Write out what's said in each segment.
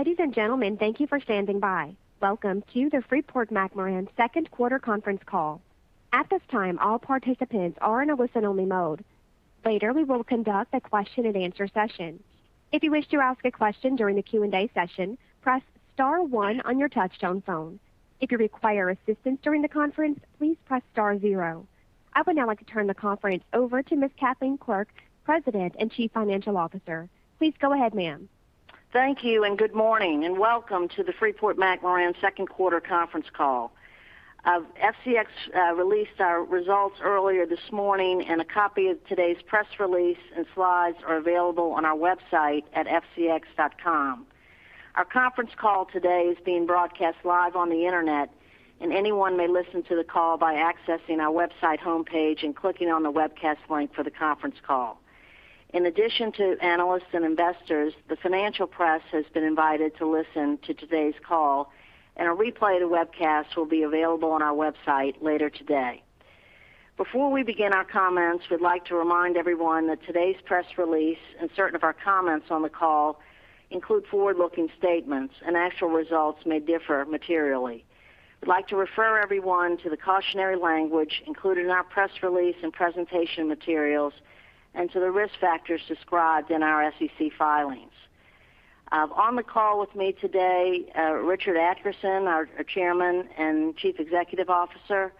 Ladies and gentlemen, thank you for standing by. Welcome to the Freeport-McMoRan second quarter conference call. At this time, all participants are in a listen-only mode. Later, we will conduct a question and answer session. If you wish to ask a question during the Q&A session, press star one on your touch-tone phone. If you require assistance during the conference, please press star zero. I would now like to turn the conference over to Ms. Kathleen L. Quirk, President and Chief Financial Officer. Please go ahead, ma'am. Thank you, good morning, and welcome to the Freeport-McMoRan second quarter conference call. FCX released our results earlier this morning, and a copy of today's press release and slides are available on our website at fcx.com. Our conference call today is being broadcast live on the internet, and anyone may listen to the call by accessing our website homepage and clicking on the webcast link for the conference call. In addition to analysts and investors, the financial press has been invited to listen to today's call, and a replay of the webcast will be available on our website later today. Before we begin our comments, we'd like to remind everyone that today's press release and certain of our comments on the call include forward-looking statements, and actual results may differ materially. We'd like to refer everyone to the cautionary language included in our press release and presentation materials and to the risk factors described in our SEC filings. On the call with me today, Richard Adkerson, our Chairman and Chief Executive Officer,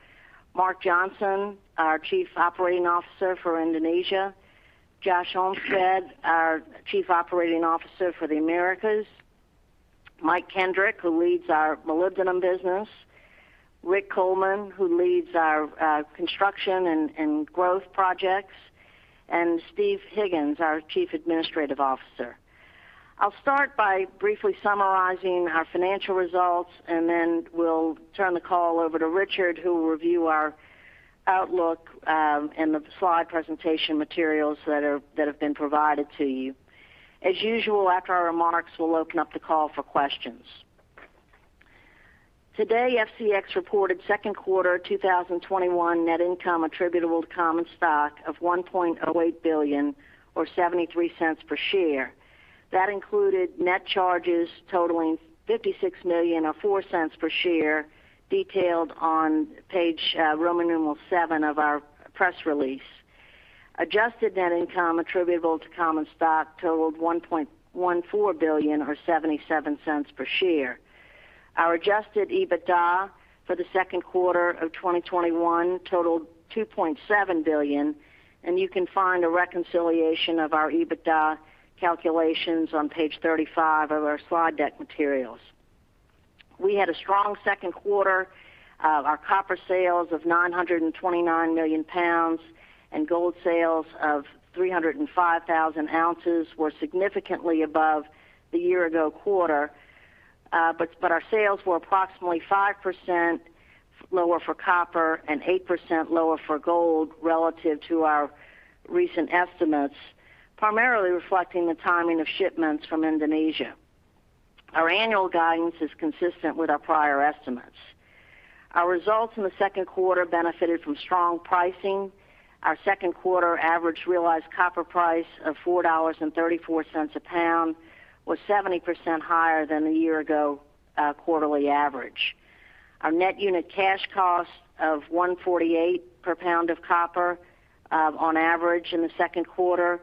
Mark J. Johnson, our Chief Operating Officer for Indonesia, Josh Olmsted, our Chief Operating Officer for the Americas, Michael J. Kendrick, who leads our molybdenum business, Rick Coleman, who leads our construction and growth projects, and Steve Higgins, our Chief Administrative Officer. I'll start by briefly summarizing our financial results, and then we'll turn the call over to Richard, who will review our outlook and the slide presentation materials that have been provided to you. As usual, after our remarks, we'll open up the call for questions. Today, FCX reported 2nd quarter 2021 net income attributable to common stock of $1.08 billion or $0.73 per share. That included net charges totaling $56 million, or $0.04 per share, detailed on page Roman numeral VII of our press release. Adjusted net income attributable to common stock totaled $1.14 billion, or $0.77 per share. Our adjusted EBITDA for the second quarter of 2021 totaled $2.7 billion. You can find a reconciliation of our EBITDA calculations on page 35 of our slide deck materials. We had a strong second quarter of our copper sales of 929 million lbs and gold sales of 305,000 ounces were significantly above the year-ago quarter. Our sales were approximately 5% lower for copper and 8% lower for gold relative to our recent estimates, primarily reflecting the timing of shipments from Indonesia. Our annual guidance is consistent with our prior estimates. Our results in the second quarter benefited from strong pricing. Our second quarter average realized copper price of $4.34 a lbs was 70% higher than the year ago quarterly average. Our net unit cash cost of $148 per lbs of copper on average in the second quarter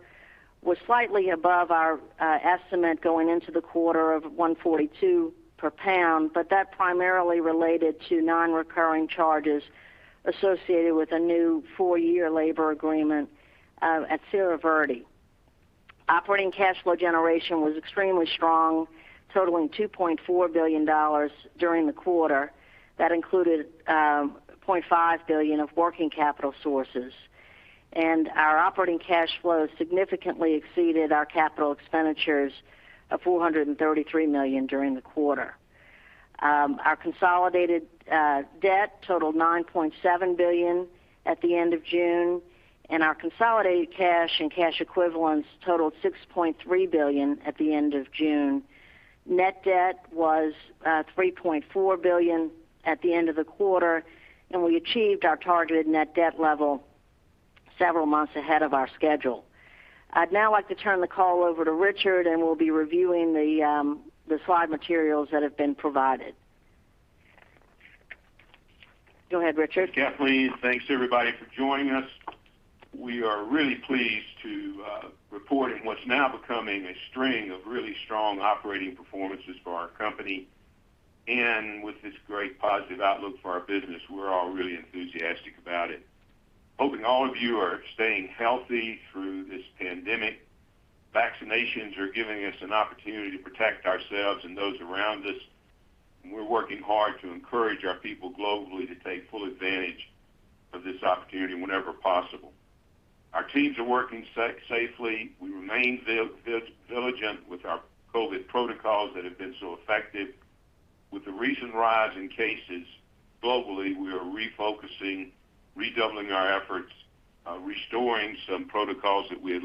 was slightly above our estimate going into the quarter of $142 per lbs, that primarily related to non-recurring charges associated with a new four-year labor agreement at Cerro Verde. Operating cash flow generation was extremely strong, totaling $2.4 billion during the quarter. That included $0.5 billion of working capital sources. Our operating cash flow significantly exceeded our capital expenditures of $433 million during the quarter. Our consolidated debt totaled $9.7 billion at the end of June, and our consolidated cash and cash equivalents totaled $6.3 billion at the end of June. Net debt was $3.4 billion at the end of the quarter, and we achieved our targeted net debt level several months ahead of our schedule. I'd now like to turn the call over to Richard, and we'll be reviewing the slide materials that have been provided. Go ahead, Richard. Kathleen, thanks, everybody, for joining us. We are really pleased to report what's now becoming a string of really strong operating performances for our company. With this great positive outlook for our business, we're all really enthusiastic about it. Hoping all of you are staying healthy through this pandemic. Vaccinations are giving us an opportunity to protect ourselves and those around us, and we're working hard to encourage our people globally to take full advantage of this opportunity whenever possible. Our teams are working safely. We remain vigilant with our COVID protocols that have been so effective. With the recent rise in cases globally, we are refocusing, redoubling our efforts, restoring some protocols that we had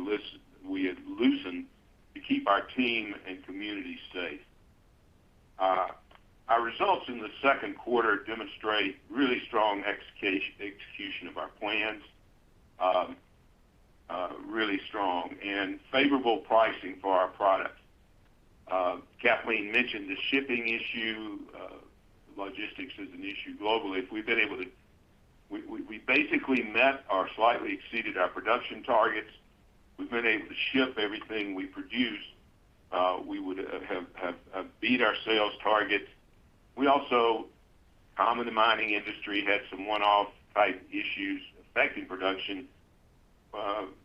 loosened to keep our team and community safe. Our results in the second quarter demonstrate really strong execution of our plans, really strong, and favorable pricing for our products. Kathleen mentioned the shipping issue. Logistics is an issue globally. We basically met or slightly exceeded our production targets. We've been able to ship everything we produce. We would have beat our sales targets. We also, common to the mining industry, had some one-off type issues affecting production.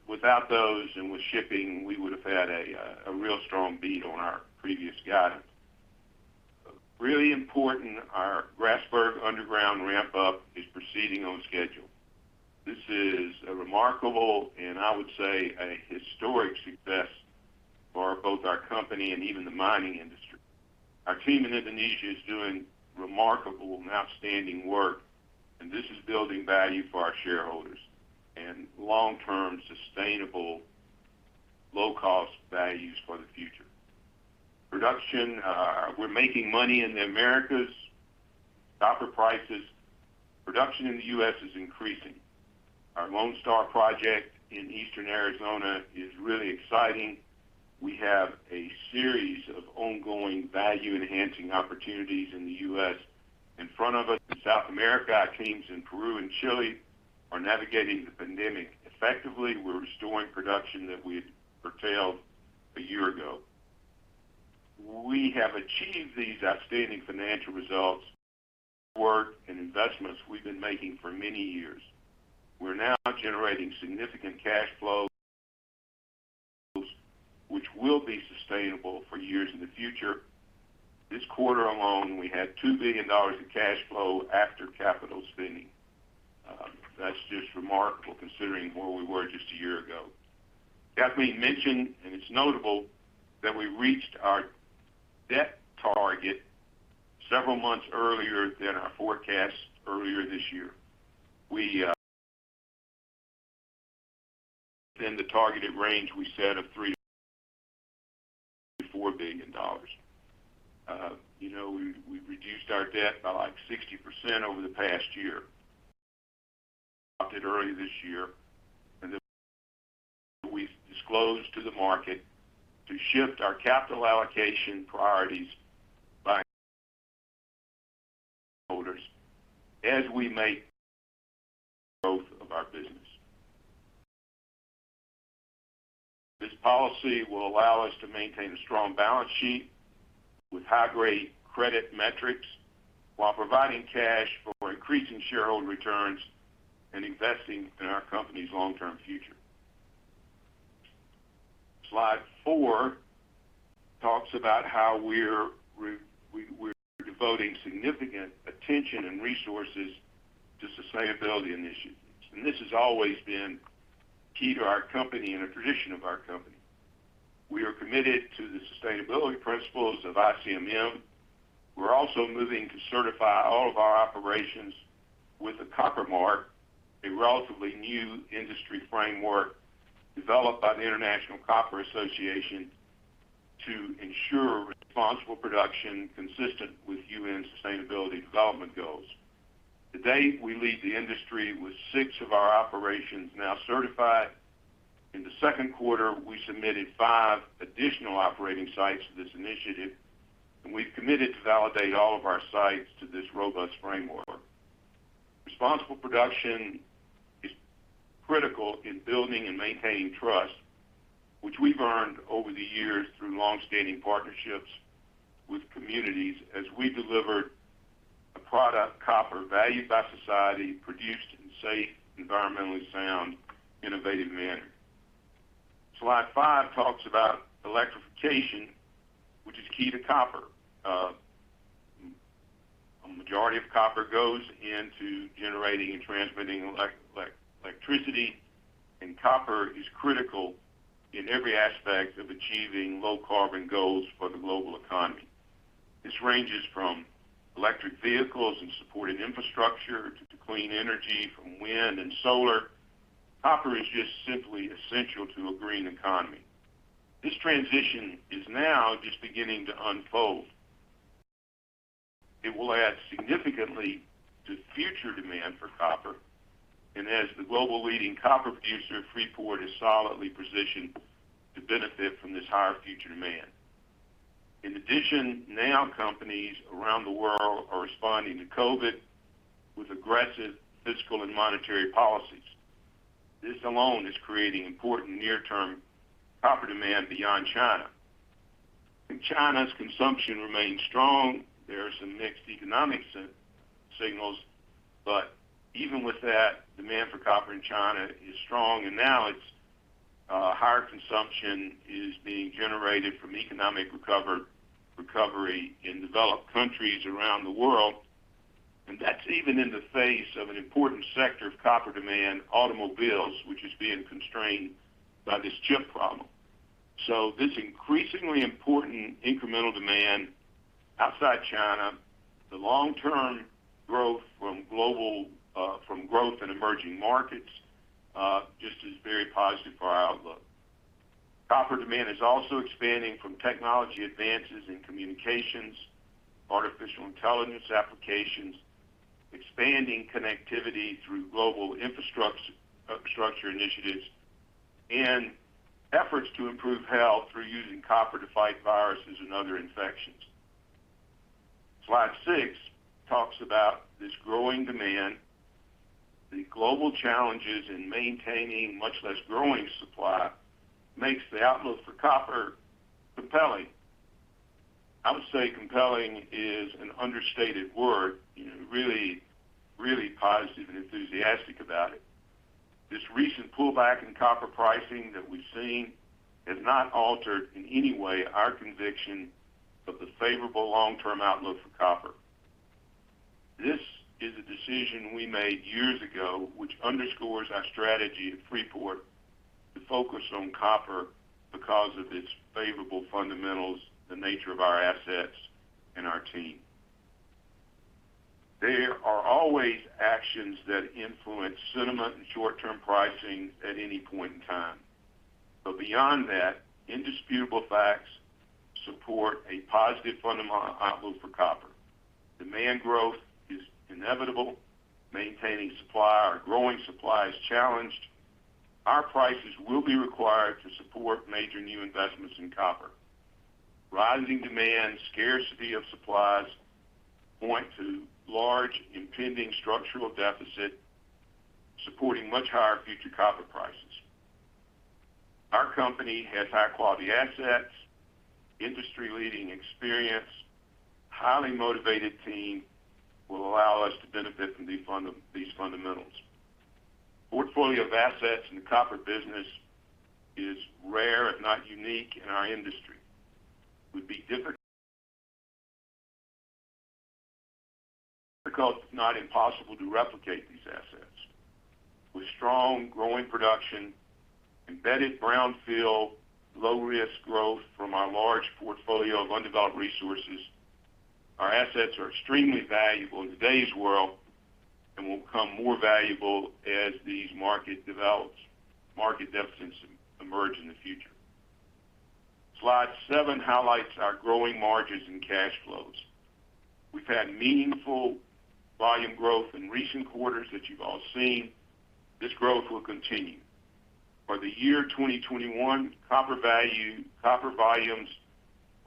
Without those and with shipping, we would have had a real strong beat on our previous guidance. Really important, our Grasberg underground ramp-up is proceeding on schedule. This is a remarkable, and I would say, a historic success for both our company and even the mining industry. Our team in Indonesia is doing remarkable and outstanding work, and this is building value for our shareholders and long-term sustainable low-cost values for the future. Production, we're making money in the Americas. Copper prices. Production in the U.S. is increasing. Our Lone Star project in Eastern Arizona is really exciting. We have a series of ongoing value-enhancing opportunities in the U.S. in front of us. In South America, our teams in Peru and Chile are navigating the pandemic effectively. We're restoring production that we had curtailed a year ago. We have achieved these outstanding financial results through work and investments we've been making for many years. We're now generating significant cash flows, which will be sustainable for years in the future. This quarter alone, we had $2 billion of cash flow after capital spending. That's just remarkable considering where we were just a year ago. Kathleen mentioned, and it's notable, that we reached our debt target several months earlier than our forecast earlier this year, within the targeted range we set of $3 billion-$4 billion. We've reduced our debt by 60% over the past year. Early this year, we've disclosed to the market to shift our capital allocation priorities by holders as we make growth of our business. This policy will allow us to maintain a strong balance sheet with high-grade credit metrics while providing cash for increasing shareholder returns and investing in our company's long-term future. Slide four talks about how we're devoting significant attention and resources to sustainability initiatives, and this has always been key to our company and a tradition of our company. We are committed to the sustainability principles of ICMM. We're also moving to certify all of our operations with the Copper Mark, a relatively new industry framework developed by the International Copper Association to ensure responsible production consistent with UN Sustainable Development Goals. To date, we lead the industry with six of our operations now certified. In the second quarter, we submitted five additional operating sites to this initiative, and we've committed to validate all of our sites to this robust framework. Responsible production is critical in building and maintaining trust, which we've earned over the years through longstanding partnerships with communities as we deliver a product, copper, valued by society, produced in a safe, environmentally sound, innovative manner. Slide five talks about electrification, which is key to copper. A majority of copper goes into generating and transmitting electricity, copper is critical in every aspect of achieving low carbon goals for the global economy. This ranges from electric vehicles and supporting infrastructure to clean energy from wind and solar. Copper is just simply essential to a green economy. This transition is now just beginning to unfold. It will add significantly to future demand for copper, and as the global leading copper producer, Freeport is solidly positioned to benefit from this higher future demand. In addition, now companies around the world are responding to COVID with aggressive fiscal and monetary policies. This alone is creating important near-term copper demand beyond China. China's consumption remains strong. There are some mixed economic signals, but even with that, demand for copper in China is strong, and now its higher consumption is being generated from economic recovery in developed countries around the world. That's even in the face of an important sector of copper demand, automobiles, which is being constrained by this chip problem. This increasingly important incremental demand outside China, the long-term growth from growth in emerging markets, just is very positive for our outlook. Copper demand is also expanding from technology advances in communications, artificial intelligence applications, expanding connectivity through global infrastructure initiatives, and efforts to improve health through using copper to fight viruses and other infections. Slide six talks about this growing demand. The global challenges in maintaining much less growing supply makes the outlook for copper compelling. I would say compelling is an understated word, really positive and enthusiastic about it. This recent pullback in copper pricing that we've seen has not altered in any way our conviction of the favorable long-term outlook for copper. This is a decision we made years ago, which underscores our strategy at Freeport to focus on copper because of its favorable fundamentals, the nature of our assets, and our team. There are always actions that influence sentiment and short-term pricing at any point in time. Beyond that, indisputable facts support a positive fundamental outlook for copper. Demand growth is inevitable. Maintaining supply or growing supply is challenged. Our prices will be required to support major new investments in copper. Rising demand, scarcity of supplies point to large impending structural deficit, supporting much higher future copper prices. Our company has high-quality assets, industry-leading experience, highly motivated team will allow us to benefit from these fundamentals. Portfolio of assets in the copper business is rare, if not unique, in our industry. It would be difficult, if not impossible, to replicate these assets. With strong growing production, embedded brownfield, low-risk growth from our large portfolio of undeveloped resources, our assets are extremely valuable in today's world and will become more valuable as these market deficits emerge in the future. Slide seven highlights our growing margins and cash flows. We've had meaningful volume growth in recent quarters that you've all seen. This growth will continue. For the year 2021, copper volumes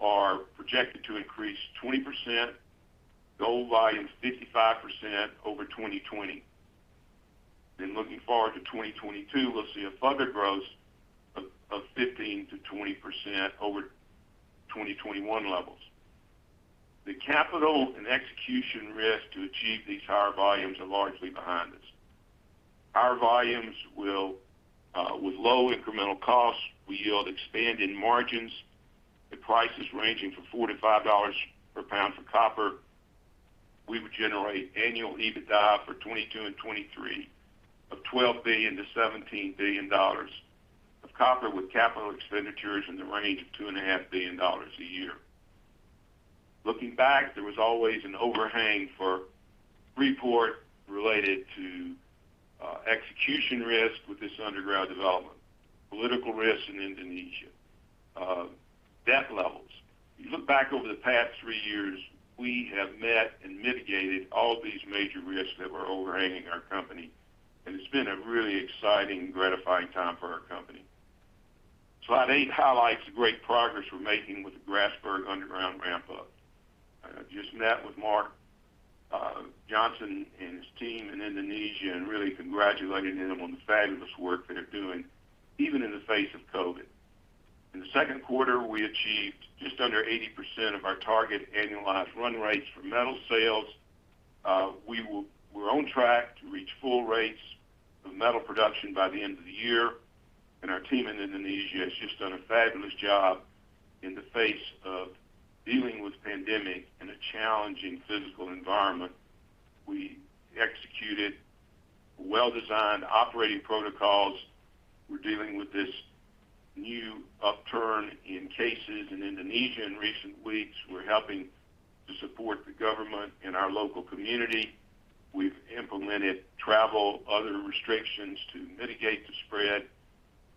are projected to increase 20%, gold volumes 55% over 2020. Looking forward to 2022, we'll see a further growth of 15%-20% over 2021 levels. The capital and execution risk to achieve these higher volumes are largely behind us. Our volumes will, with low incremental costs, we yield expanding margins. At prices ranging from $4-$5 per lbs for copper, we would generate annual EBITDA for 2022 and 2023 of $12 billion-$17 billion of copper, with capital expenditures in the range of $2.5 billion a year. Looking back, there was always an overhang for Freeport related to execution risk with this underground development, political risk in Indonesia, debt levels. If you look back over the past three years, we have met and mitigated all these major risks that were overhanging our company, and it's been a really exciting, gratifying time for our company. Slide eight highlights the great progress we're making with the Grasberg underground ramp-up. I just met with Mark J. Johnson and his team in Indonesia and really congratulated them on the fabulous work they're doing, even in the face of COVID. In the second quarter, we achieved just under 80% of our target annualized run rates for metal sales. We're on track to reach full rates of metal production by the end of the year, and our team in Indonesia has just done a fabulous job in the face of dealing with pandemic in a challenging physical environment. We executed well-designed operating protocols. We're dealing with this new upturn in cases in Indonesia in recent weeks. We're helping to support the government in our local community. We've implemented travel, other restrictions to mitigate the spread.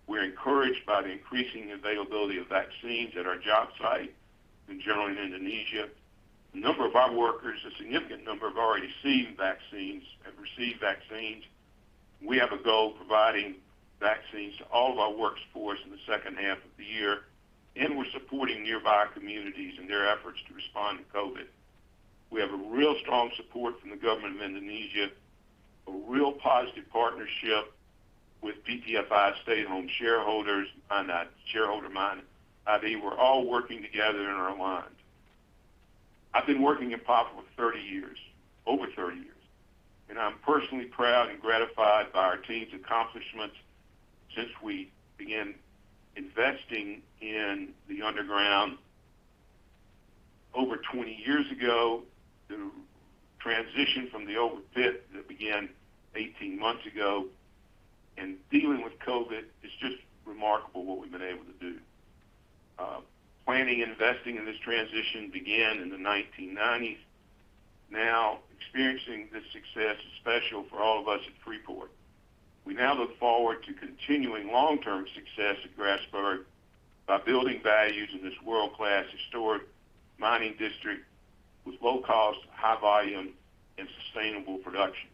We're encouraged by the increasing availability of vaccines at our job site and generally in Indonesia. A number of our workers, a significant number, have already seen vaccines, have received vaccines. We have a goal of providing vaccines to all of our workforce in the second half of the year, and we're supporting nearby communities in their efforts to respond to COVID. We have a real strong support from the government of Indonesia, a real positive partnership with PTFI state-owned mining. They were all working together and are aligned. I've been working at Papua for 30 years, over 30 years, and I'm personally proud and gratified by our team's accomplishments since we began investing in the underground over 20 years ago, through transition from the open pit that began 18 months ago. Dealing with COVID, it's just remarkable what we've been able to do. Planning and investing in this transition began in the 1990s. Experiencing this success is special for all of us at Freeport. We now look forward to continuing long-term success at Grasberg by building values in this world-class historic mining district with low cost, high volume, and sustainable production.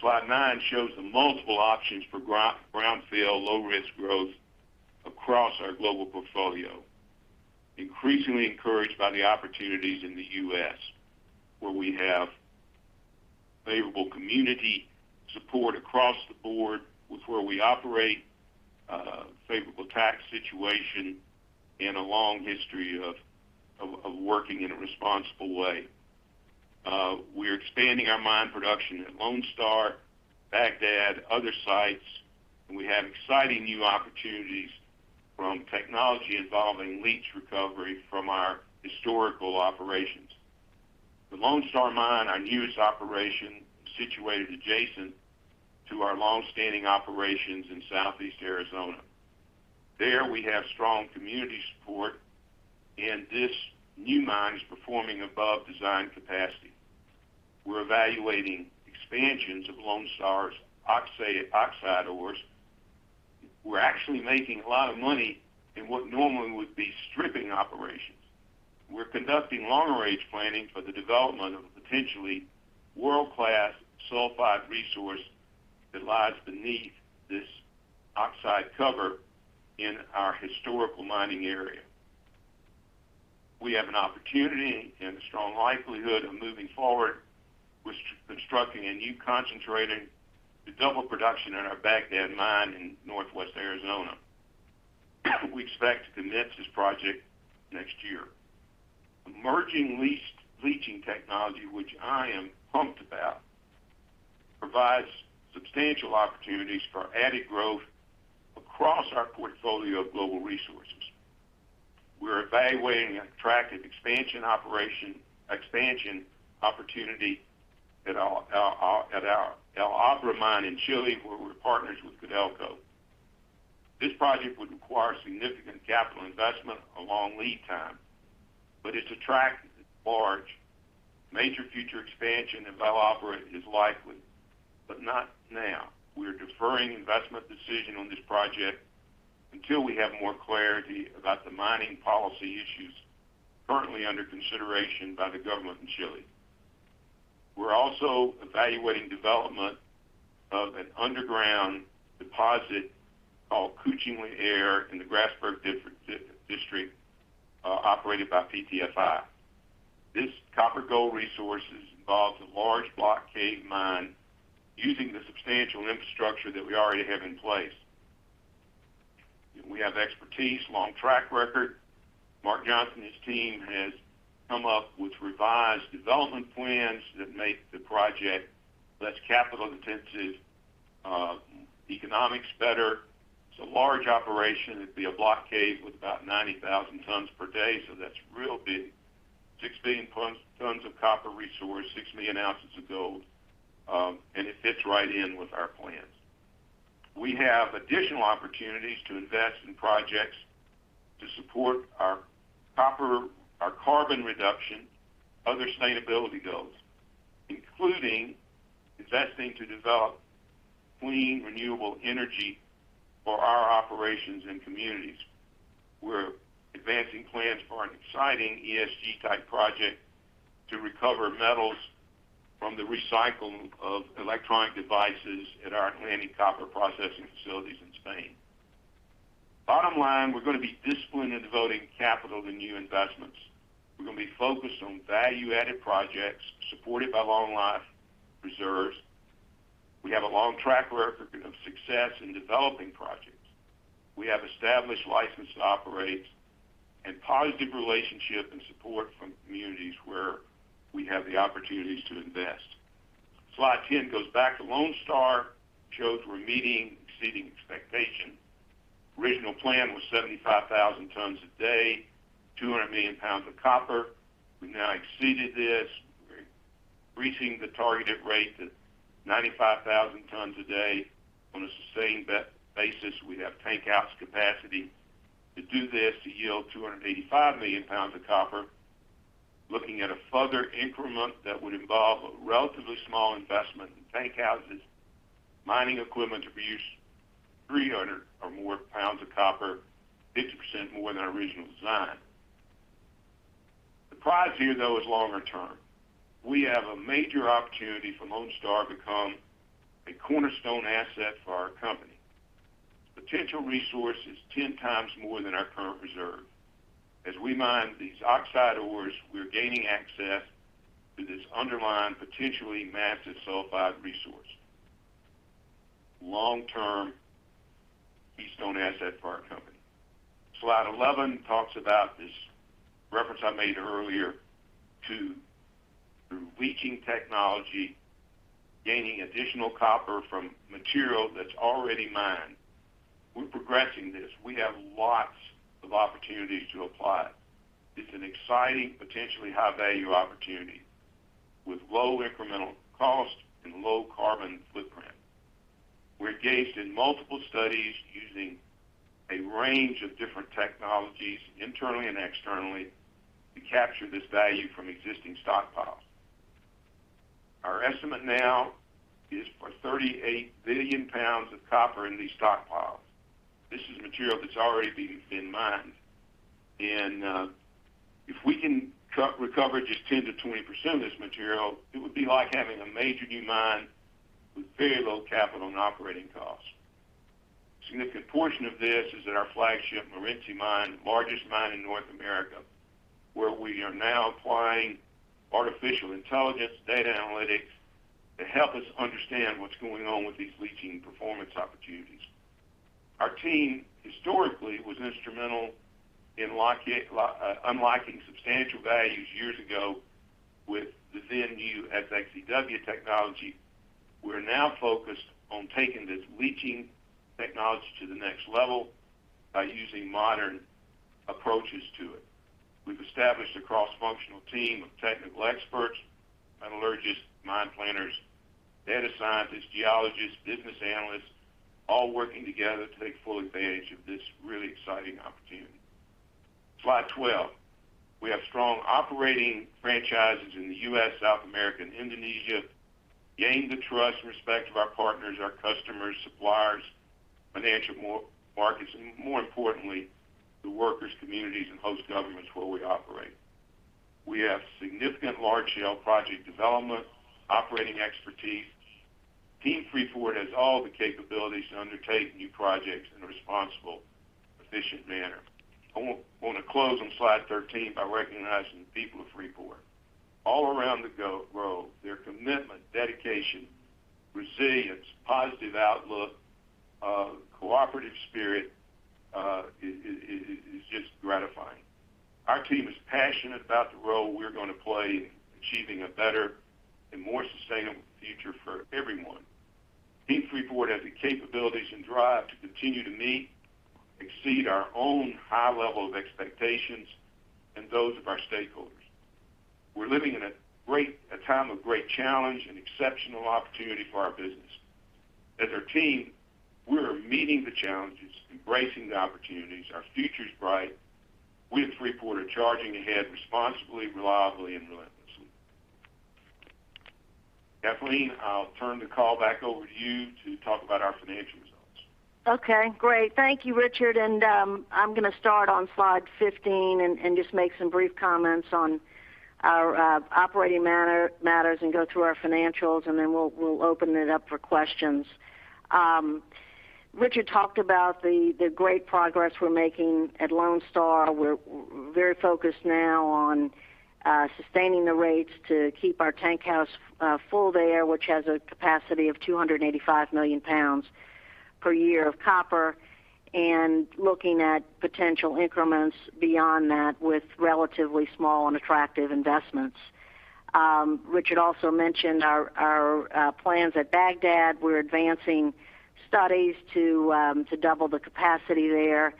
Slide 9 shows the multiple options for brownfield low-risk growth across our global portfolio. Increasingly encouraged by the opportunities in the U.S., where we have favorable community support across the board with where we operate, a favorable tax situation, and a long history of working in a responsible way. We're expanding our mine production at Lone Star, Bagdad, other sites, and we have exciting new opportunities from technology involving leach recovery from our historical operations. The Lone Star mine, our newest operation, is situated adjacent to our long-standing operations in southeast Arizona. There, we have strong community support, and this new mine is performing above design capacity. We're evaluating expansions of Lone Star's oxide ores. We're actually making a lot of money in what normally would be stripping operations. We're conducting long-range planning for the development of a potentially world-class sulfide resource that lies beneath this oxide cover in our historical mining area. We have an opportunity and a strong likelihood of moving forward with constructing a new concentrator to double production in our Bagdad mine in northwest Arizona. We expect to commence this project next year. Emerging leaching technology, which I am pumped about, provides substantial opportunities for added growth across our portfolio of global resources. We're evaluating an attractive expansion opportunity at our El Abra mine in Chile, where we're partners with Codelco. This project would require significant capital investment, a long lead time, but it's attractive. It's large. Major future expansion in El Abra is likely, but not now. We're deferring investment decision on this project until we have more clarity about the mining policy issues currently under consideration by the government in Chile. We're also evaluating development of an underground deposit called Kucing Liar in the Grasberg district, operated by PTFI. This copper gold resource involves a large block cave mine using the substantial infrastructure that we already have in place. We have expertise, long track record. Mark J. Johnson, his team has come up with revised development plans that make the project less capital intensive, economics better. It's a large operation. It'd be a block cave with about 90,000 tons per day, so that's real big. Six billion tons of copper resource, six million ounces of gold, and it fits right in with our plans. We have additional opportunities to invest in projects to support our copper, our carbon reduction, other sustainability goals, including investing to develop clean, renewable energy for our operations and communities. We're advancing plans for an exciting ESG-type project to recover metals from the recycling of electronic devices at our Atlantic Copper processing facilities in Spain. Bottom line, we're going to be disciplined in devoting capital to new investments. We're going to be focused on value-added projects supported by long life reserves. We have a long track record of success in developing projects. We have established license to operate and positive relationship and support from the communities where we have the opportunities to invest. Slide 10 goes back to Lone Star, shows we're meeting, exceeding expectation. Original plan was 75,000 tons a day, 200 million lbs of copper. We've now exceeded this. We're reaching the targeted rate of 95,000 tons a day. On a sustained basis, we have tankhouse capacity to do this to yield 285 million lbs of copper. Looking at a further increment that would involve a relatively small investment in tankhouses, mining equipment to yield, 300 or more lbs of copper, 50% more than our original design. The prize here, though, is longer term. We have a major opportunity for Lone Star to become a cornerstone asset for our company. Potential resource is 10x more than our current reserve. As we mine these oxide ores, we're gaining access to this underlying, potentially massive sulfide resource. Long-term keystone asset for our company. Slide 11 talks about this reference I made earlier to, through leaching technology, gaining additional copper from material that's already mined. We're progressing this. We have lots of opportunities to apply. It's an exciting, potentially high-value opportunity with low incremental cost and low carbon footprint. We're engaged in multiple studies using a range of different technologies internally and externally to capture this value from existing stockpiles. Our estimate now is for 38 billion lbs of copper in these stockpiles. This is material that's already been mined. If we can recover just 10%-20% of this material, it would be like having a major new mine with very low capital and operating costs. A significant portion of this is at our flagship Morenci mine, the largest mine in North America, where we are now applying artificial intelligence, data analytics to help us understand what's going on with these leaching performance opportunities. Our team historically was instrumental in unlocking substantial values years ago with the then new SX-EW technology. We're now focused on taking this leaching technology to the next level by using modern approaches to it. We've established a cross-functional team of technical experts, metallurgists, mine planners, data scientists, geologists, business analysts, all working together to take full advantage of this really exciting opportunity. Slide 12. We have strong operating franchises in the U.S., South America, and Indonesia. Gained the trust and respect of our partners, our customers, suppliers, financial markets, and more importantly, the workers, communities, and host governments where we operate. We have significant large-scale project development, operating expertise. Team Freeport has all the capabilities to undertake new projects in a responsible, efficient manner. I want to close on slide 13 by recognizing the people of Freeport. All around the globe, their commitment, dedication, resilience, positive outlook, cooperative spirit, is just gratifying. Our team is passionate about the role we're going to play in achieving a better and more sustainable future for everyone. Team Freeport has the capabilities and drive to continue to meet, exceed our own high level of expectations and those of our stakeholders. We're living in a time of great challenge and exceptional opportunity for our business. As a team, we are meeting the challenges, embracing the opportunities. Our future is bright. We at Freeport are charging ahead responsibly, reliably, and relentlessly. Kathleen, I'll turn the call back over to you to talk about our financial results. Okay, great. Thank you, Richard. I'm going to start on slide 15 and just make some brief comments on our operating matters and go through our financials, and then we'll open it up for questions. Richard talked about the great progress we're making at Lone Star. We're very focused now on sustaining the rates to keep our tankhouse full there, which has a capacity of 285 million lbs per year of copper, and looking at potential increments beyond that with relatively small and attractive investments. Richard also mentioned our plans at Bagdad. We're advancing studies to double the capacity there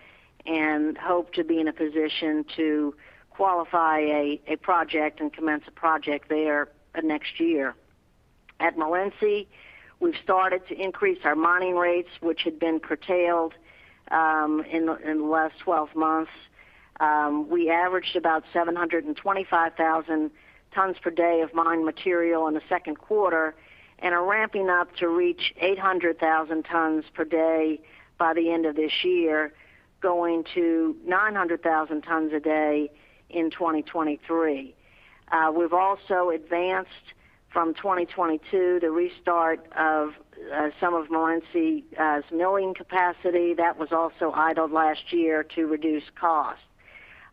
and hope to be in a position to qualify a project and commence a project there next year. At Morenci Mine, we've started to increase our mining rates, which had been curtailed in the last 12 months. We averaged about 725,000 tons per day of mined material in the second quarter and are ramping up to reach 800,000 tons per day by the end of this year, going to 900,000 tons a day in 2023. We've also advanced from 2022 the restart of some of Morenci's milling capacity that was also idled last year to reduce costs.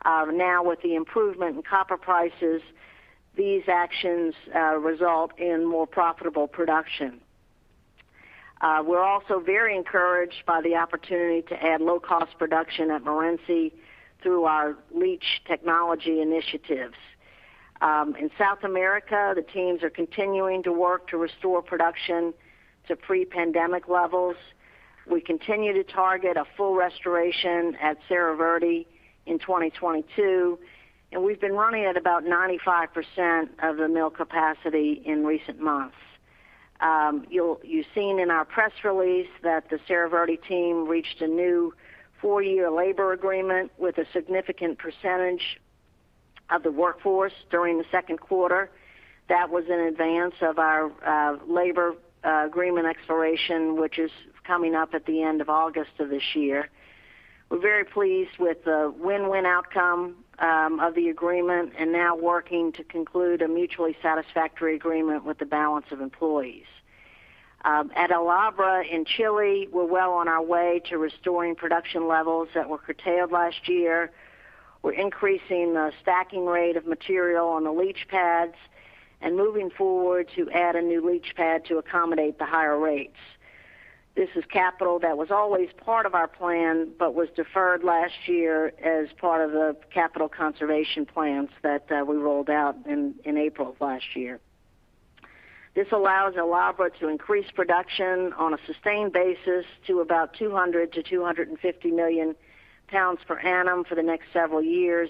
Now, with the improvement in copper prices, these actions result in more profitable production. We're also very encouraged by the opportunity to add low-cost production at Morenci through our leach technology initiatives. In South America, the teams are continuing to work to restore production to pre-pandemic levels. We continue to target a full restoration at Cerro Verde in 2022, and we've been running at about 95% of the mill capacity in recent months. You've seen in our press release that the Cerro Verde team reached a new four-year labor agreement with a significant percentage of the workforce during the second quarter. That was in advance of our labor agreement expiration, which is coming up at the end of August of this year. We're very pleased with the win-win outcome of the agreement and now working to conclude a mutually satisfactory agreement with the balance of employees. At El Abra in Chile, we're well on our way to restoring production levels that were curtailed last year. We're increasing the stacking rate of material on the leach pads and moving forward to add a new leach pad to accommodate the higher rates. This is capital that was always part of our plan but was deferred last year as part of the capital conservation plans that we rolled out in April of last year. This allows El Abra to increase production on a sustained basis to about 200 million-250 million lbs per annum for the next several years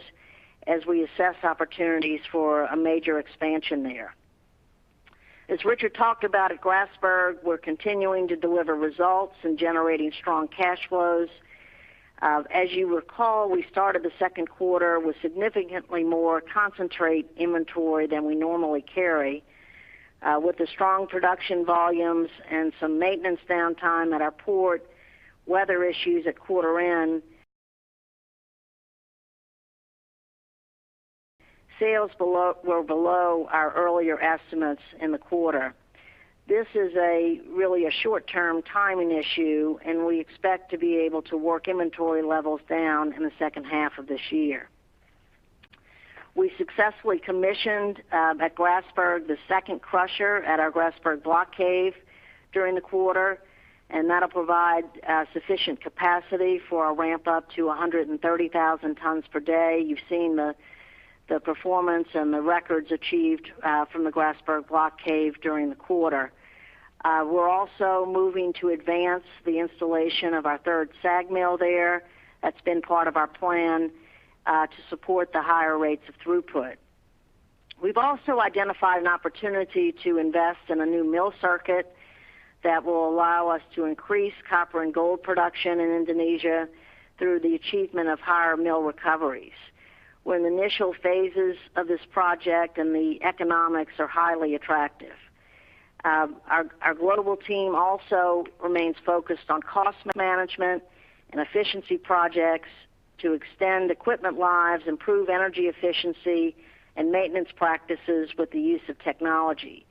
as we assess opportunities for a major expansion there. As Richard talked about at Grasberg, we're continuing to deliver results and generating strong cash flows. As you recall, we started the second quarter with significantly more concentrate inventory than we normally carry. With the strong production volumes and some maintenance downtime at our port, weather issues at quarter end, sales were below our earlier estimates in the quarter. This is really a short-term timing issue, and we expect to be able to work inventory levels down in the second half of this year. We successfully commissioned at Grasberg, the second crusher at our Grasberg Block Cave during the quarter, and that'll provide sufficient capacity for our ramp up to 130,000 tons per day. You've seen the performance and the records achieved from the Grasberg Block Cave during the quarter. We're also moving to advance the installation of our third SAG mill there. That's been part of our plan to support the higher rates of throughput. We've also identified an opportunity to invest in a new mill circuit that will allow us to increase copper and gold production in Indonesia through the achievement of higher mill recoveries. We're in the initial phases of this project, and the economics are highly attractive. Our global team also remains focused on cost management and efficiency projects to extend equipment lives, improve energy efficiency, and maintenance practices with the use of technology.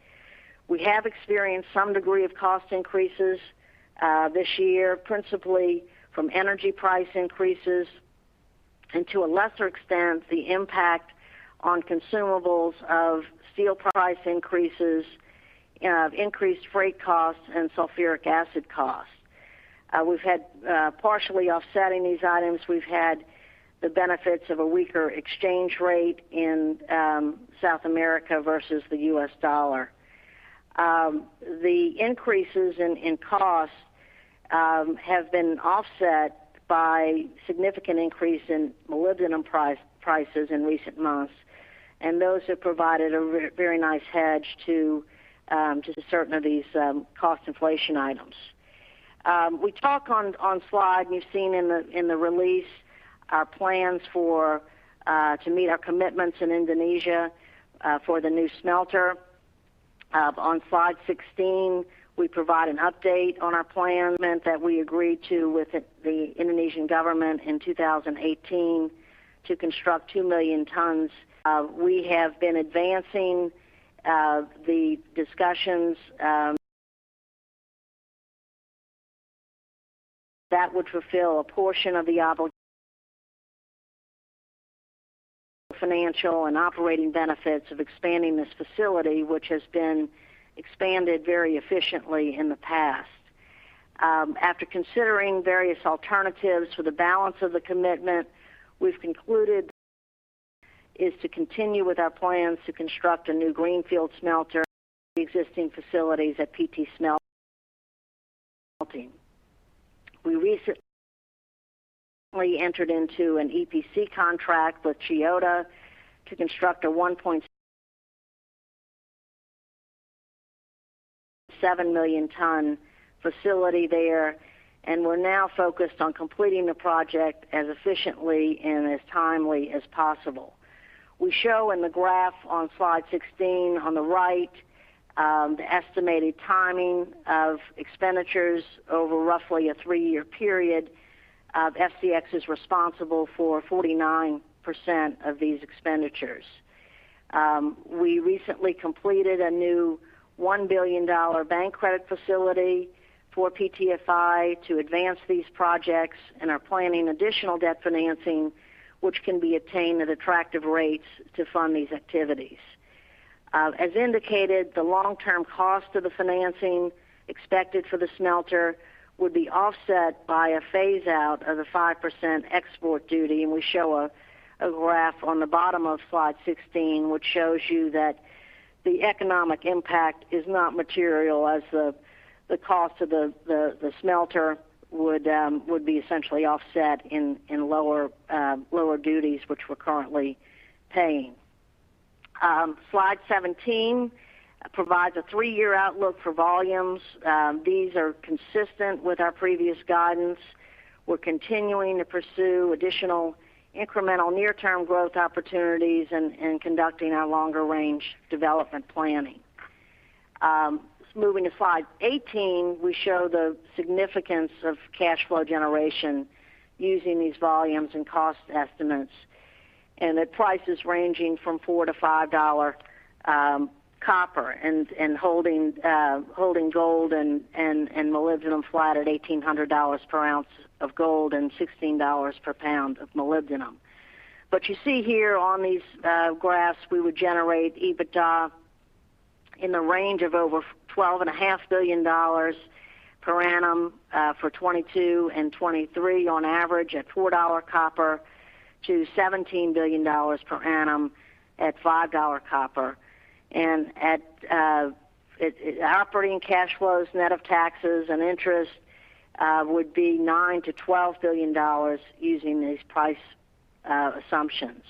We have experienced some degree of cost increases this year, principally from energy price increases and to a lesser extent, the impact on consumables of steel price increases, increased freight costs, and sulfuric acid costs. Partially offsetting these items, we've had the benefits of a weaker exchange rate in South America versus the U.S. dollar. The increases in costs have been offset by significant increase in molybdenum prices in recent months, and those have provided a very nice hedge to the certain of these cost inflation items. We talk on slide, and you've seen in the release our plans to meet our commitments in Indonesia for the new smelter. On slide 16, we provide an update on our plans that we agreed to with the Indonesian government in 2018 to construct two million tons. We have been advancing the discussions. That would fulfill a portion of the obligation. Financial and operating benefits of expanding this facility, which has been expanded very efficiently in the past. After considering various alternatives for the balance of the commitment, we've concluded is to continue with our plans to construct a new greenfield smelter, the existing facilities at PT Smelting. We recently entered into an EPC contract with Chiyoda to construct a 1.7 million ton facility there, and we're now focused on completing the project as efficiently and as timely as possible. We show in the graph on slide 16 on the right, the estimated timing of expenditures over roughly a three-year period. FCX is responsible for 49% of these expenditures. We recently completed a new $1 billion bank credit facility for PTFI to advance these projects and are planning additional debt financing, which can be attained at attractive rates to fund these activities. As indicated, the long-term cost of the financing expected for the smelter would be offset by a phase-out of the 5% export duty. We show a graph on the bottom of slide 16, which shows you that the economic impact is not material as the cost of the smelter would be essentially offset in lower duties, which we're currently paying. Slide 17 provides a three-year outlook for volumes. These are consistent with our previous guidance. We're continuing to pursue additional incremental near-term growth opportunities and conducting our longer-range development planning. Moving to slide 18, we show the significance of cash flow generation using these volumes and cost estimates and at prices ranging from $4-$5 copper and holding gold and molybdenum flat at $1,800 per ounce of gold and $16 per lbs of molybdenum. You see here on these graphs, we would generate EBITDA in the range of over $12.5 billion per annum for 2022 and 2023 on average at $4 copper to $17 billion per annum at $5 copper. Operating cash flows net of taxes and interest would be $9 billion-$12 billion using these price assumptions.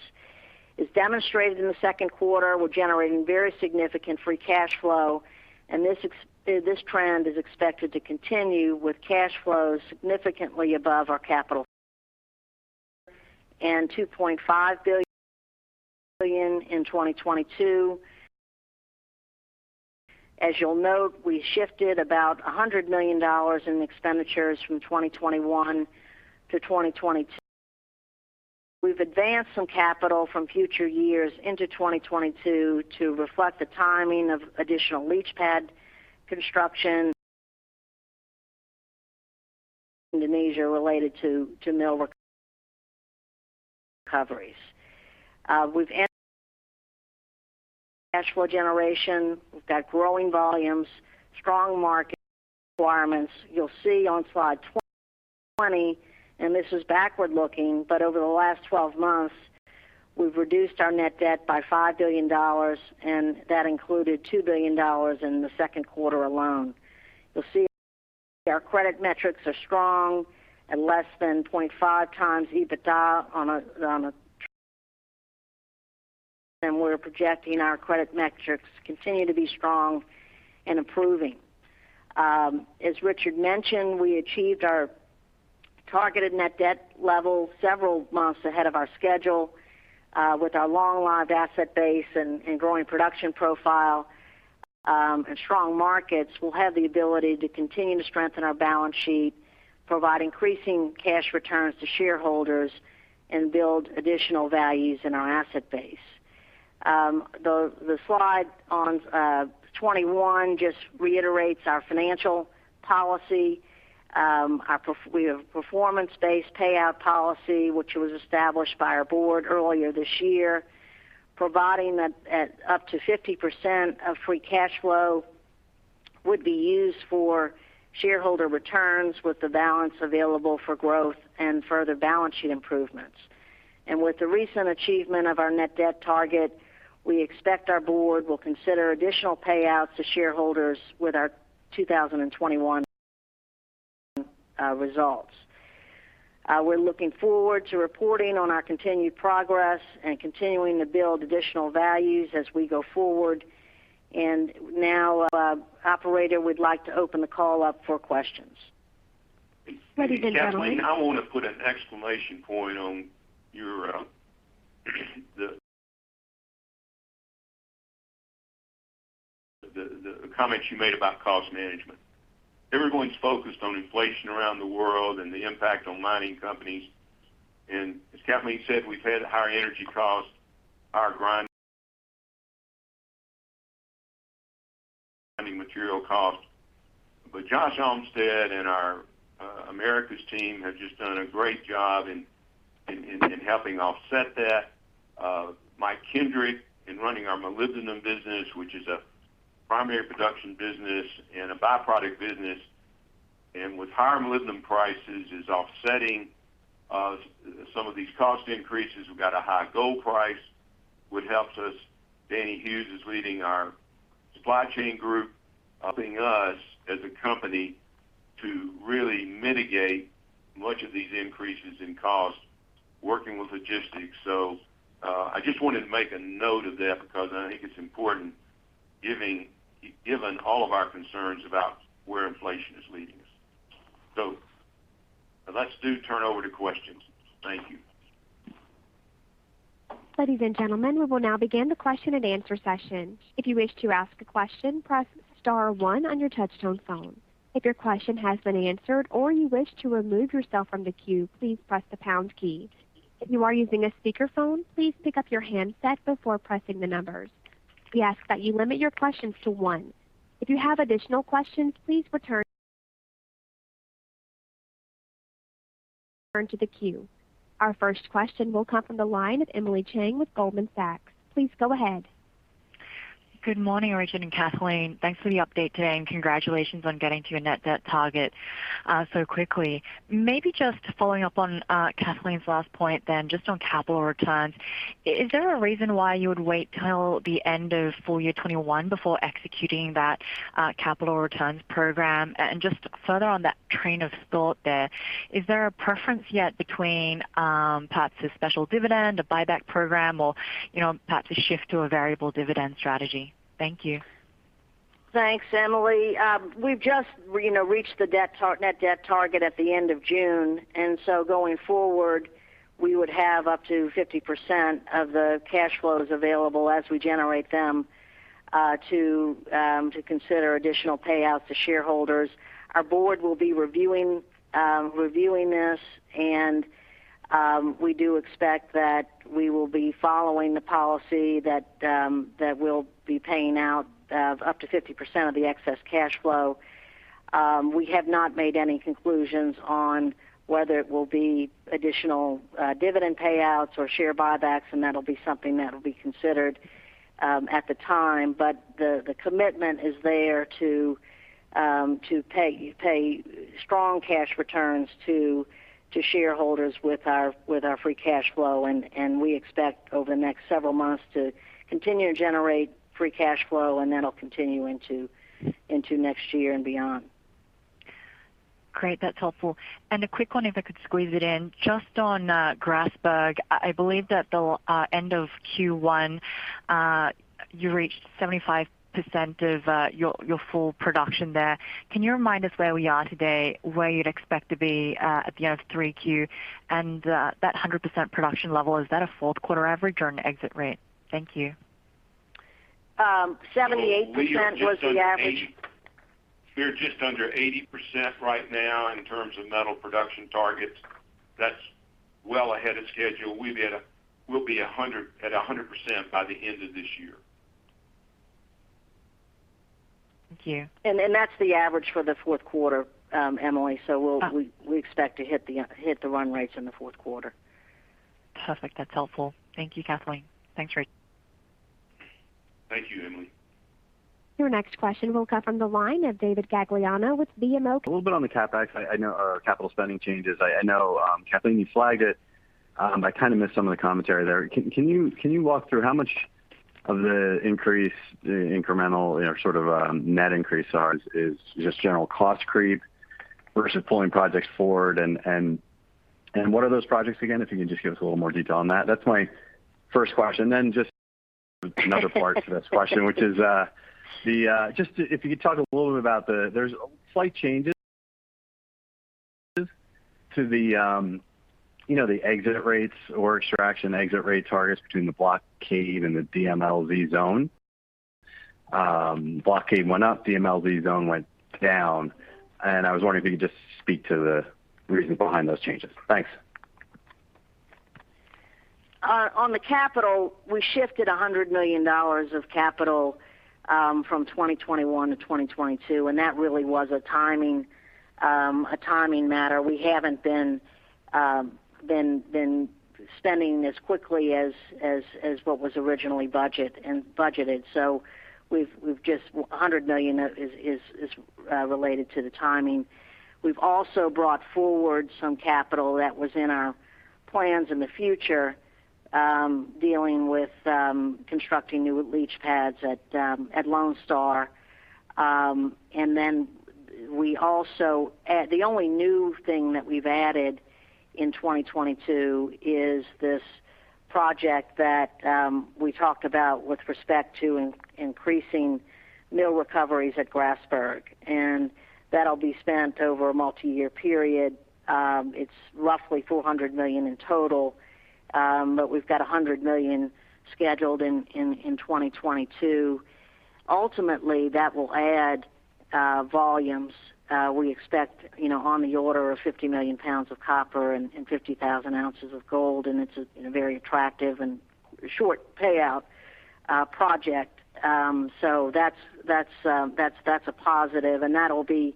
As demonstrated in the second quarter, we're generating very significant free cash flow, and this trend is expected to continue with cash flows significantly above our capital and $2.5 billion in 2022. As you'll note, we shifted about $100 million in expenditures from 2021-2022. We've advanced some capital from future years into 2022 to reflect the timing of additional leach pad construction. Indonesia related to mill recoveries. We've cash flow generation. We've got growing volumes, strong market requirements. You'll see on slide 20, and this is backward-looking, but over the last 12 months, we've reduced our net debt by $5 billion, and that included $2 billion in the second quarter alone. You'll see our credit metrics are strong at less than 0.5x EBITDA and we're projecting our credit metrics continue to be strong and improving. As Richard mentioned, we achieved our targeted net debt level several months ahead of our schedule. With our long-lived asset base and growing production profile and strong markets, we'll have the ability to continue to strengthen our balance sheet, provide increasing cash returns to shareholders, and build additional values in our asset base. The slide on 21 just reiterates our financial policy. We have a performance-based payout policy, which was established by our board earlier this year, providing that up to 50% of free cash flow would be used for shareholder returns, with the balance available for growth and further balance sheet improvements. With the recent achievement of our net debt target, we expect our board will consider additional payouts to shareholders with our 2021 results. We're looking forward to reporting on our continued progress and continuing to build additional values as we go forward. Now, operator, we'd like to open the call up for questions. Kathleen, I want to put an exclamation point on the comments you made about cost management. Everyone's focused on inflation around the world and the impact on mining companies. As Kathleen said, we've had higher energy costs, our grind material costs. Josh Olmsted and our Americas team have just done a great job in helping offset that. Michael J. Kendrick, in running our molybdenum business, which is a primary production business and a byproduct business, and with higher molybdenum prices, is offsetting some of these cost increases. We've got a high gold price, which helps us. Danny Hughes is leading our supply chain group, helping us as a company to really mitigate much of these increases in cost, working with logistics. I just wanted to make a note of that because I think it's important, given all of our concerns about where inflation is leading us. Let's do turn over to questions. Thank you. Ladies and gentlemen, we will now begin the question and answer session. If you wish to ask a question, press star one on your touchtone phone. If your question has been answered or you wish to remove yourself from the queue, please press the pound key. If you are using a speakerphone, please pick up your handset before pressing the numbers. We ask that you limit your questions to one. If you have additional questions, please return to the queue. Our first question will come from the line of Emily Chieng with Goldman Sachs. Please go ahead. Good morning, Richard and Kathleen. Thanks for the update today and congratulations on getting to your net debt target so quickly. Maybe just following up on Kathleen's last point then, just on capital returns. Is there a reason why you would wait till the end of full year 2021 before executing that capital returns program? Just further on that train of thought there, is there a preference yet between perhaps a special dividend, a buyback program, or perhaps a shift to a variable dividend strategy? Thank you. Thanks, Emily. We've just reached the net debt target at the end of June. Going forward, we would have up to 50% of the cash flows available as we generate them to consider additional payouts to shareholders. Our board will be reviewing this. We do expect that we will be following the policy that we'll be paying out up to 50% of the excess cash flow. We have not made any conclusions on whether it will be additional dividend payouts or share buybacks. That'll be something that'll be considered at the time. The commitment is there to pay strong cash returns to shareholders with our free cash flow. We expect over the next several months to continue to generate free cash flow. That'll continue into next year and beyond. Great. That's helpful. A quick one, if I could squeeze it in. Just on Grasberg, I believe that the end of Q1, you reached 75% of your full production there. Can you remind us where we are today, where you'd expect to be at the end of 3Q? That 100% production level, is that a fourth quarter average or an exit rate? Thank you. 78% was the average. We are just under 80% right now in terms of metal production targets. That's well ahead of schedule. We'll be at 100% by the end of this year. Thank you. That's the average for the fourth quarter, Emily. We expect to hit the run rates in the fourth quarter. Perfect. That's helpful. Thank you, Kathleen. Thanks, Richard. Thank you, Emily. Your next question will come from the line of David Gagliano with BMO Capital Markets. A little bit on the CapEx, or capital spending changes. I know, Kathleen, you flagged it. I kind of missed some of the commentary there. Can you walk through how much of the increase, the incremental sort of net increase is just general cost creep versus pulling projects forward? What are those projects again, if you can just give us a little more detail on that? That's my first question. Just another part to this question, which is, if you could talk a little bit about the, there's slight changes to the exit rates or extraction exit rate targets between the block cave and the DMLZ zone. block cave went up, DMLZ zone went down, and I was wondering if you could just speak to the reasons behind those changes. Thanks. On the capital, we shifted $100 million of capital from 2021-2022. That really was a timing matter. We haven't been spending as quickly as what was originally budgeted. $100 million is related to the timing. We've also brought forward some capital that was in our plans in the future, dealing with constructing new leach pads at Lone Star. The only new thing that we have added in 2022 is this project that we talked about with respect to increasing mill recoveries at Grasberg. That'll be spent over a multi-year period. It's roughly $400 million in total. We've got $100 million scheduled in 2022. Ultimately, that will add volumes, we expect, on the order of 50 million lbs of copper and 50,000 ounces of gold. It's a very attractive and short payout project. That's a positive, and that'll be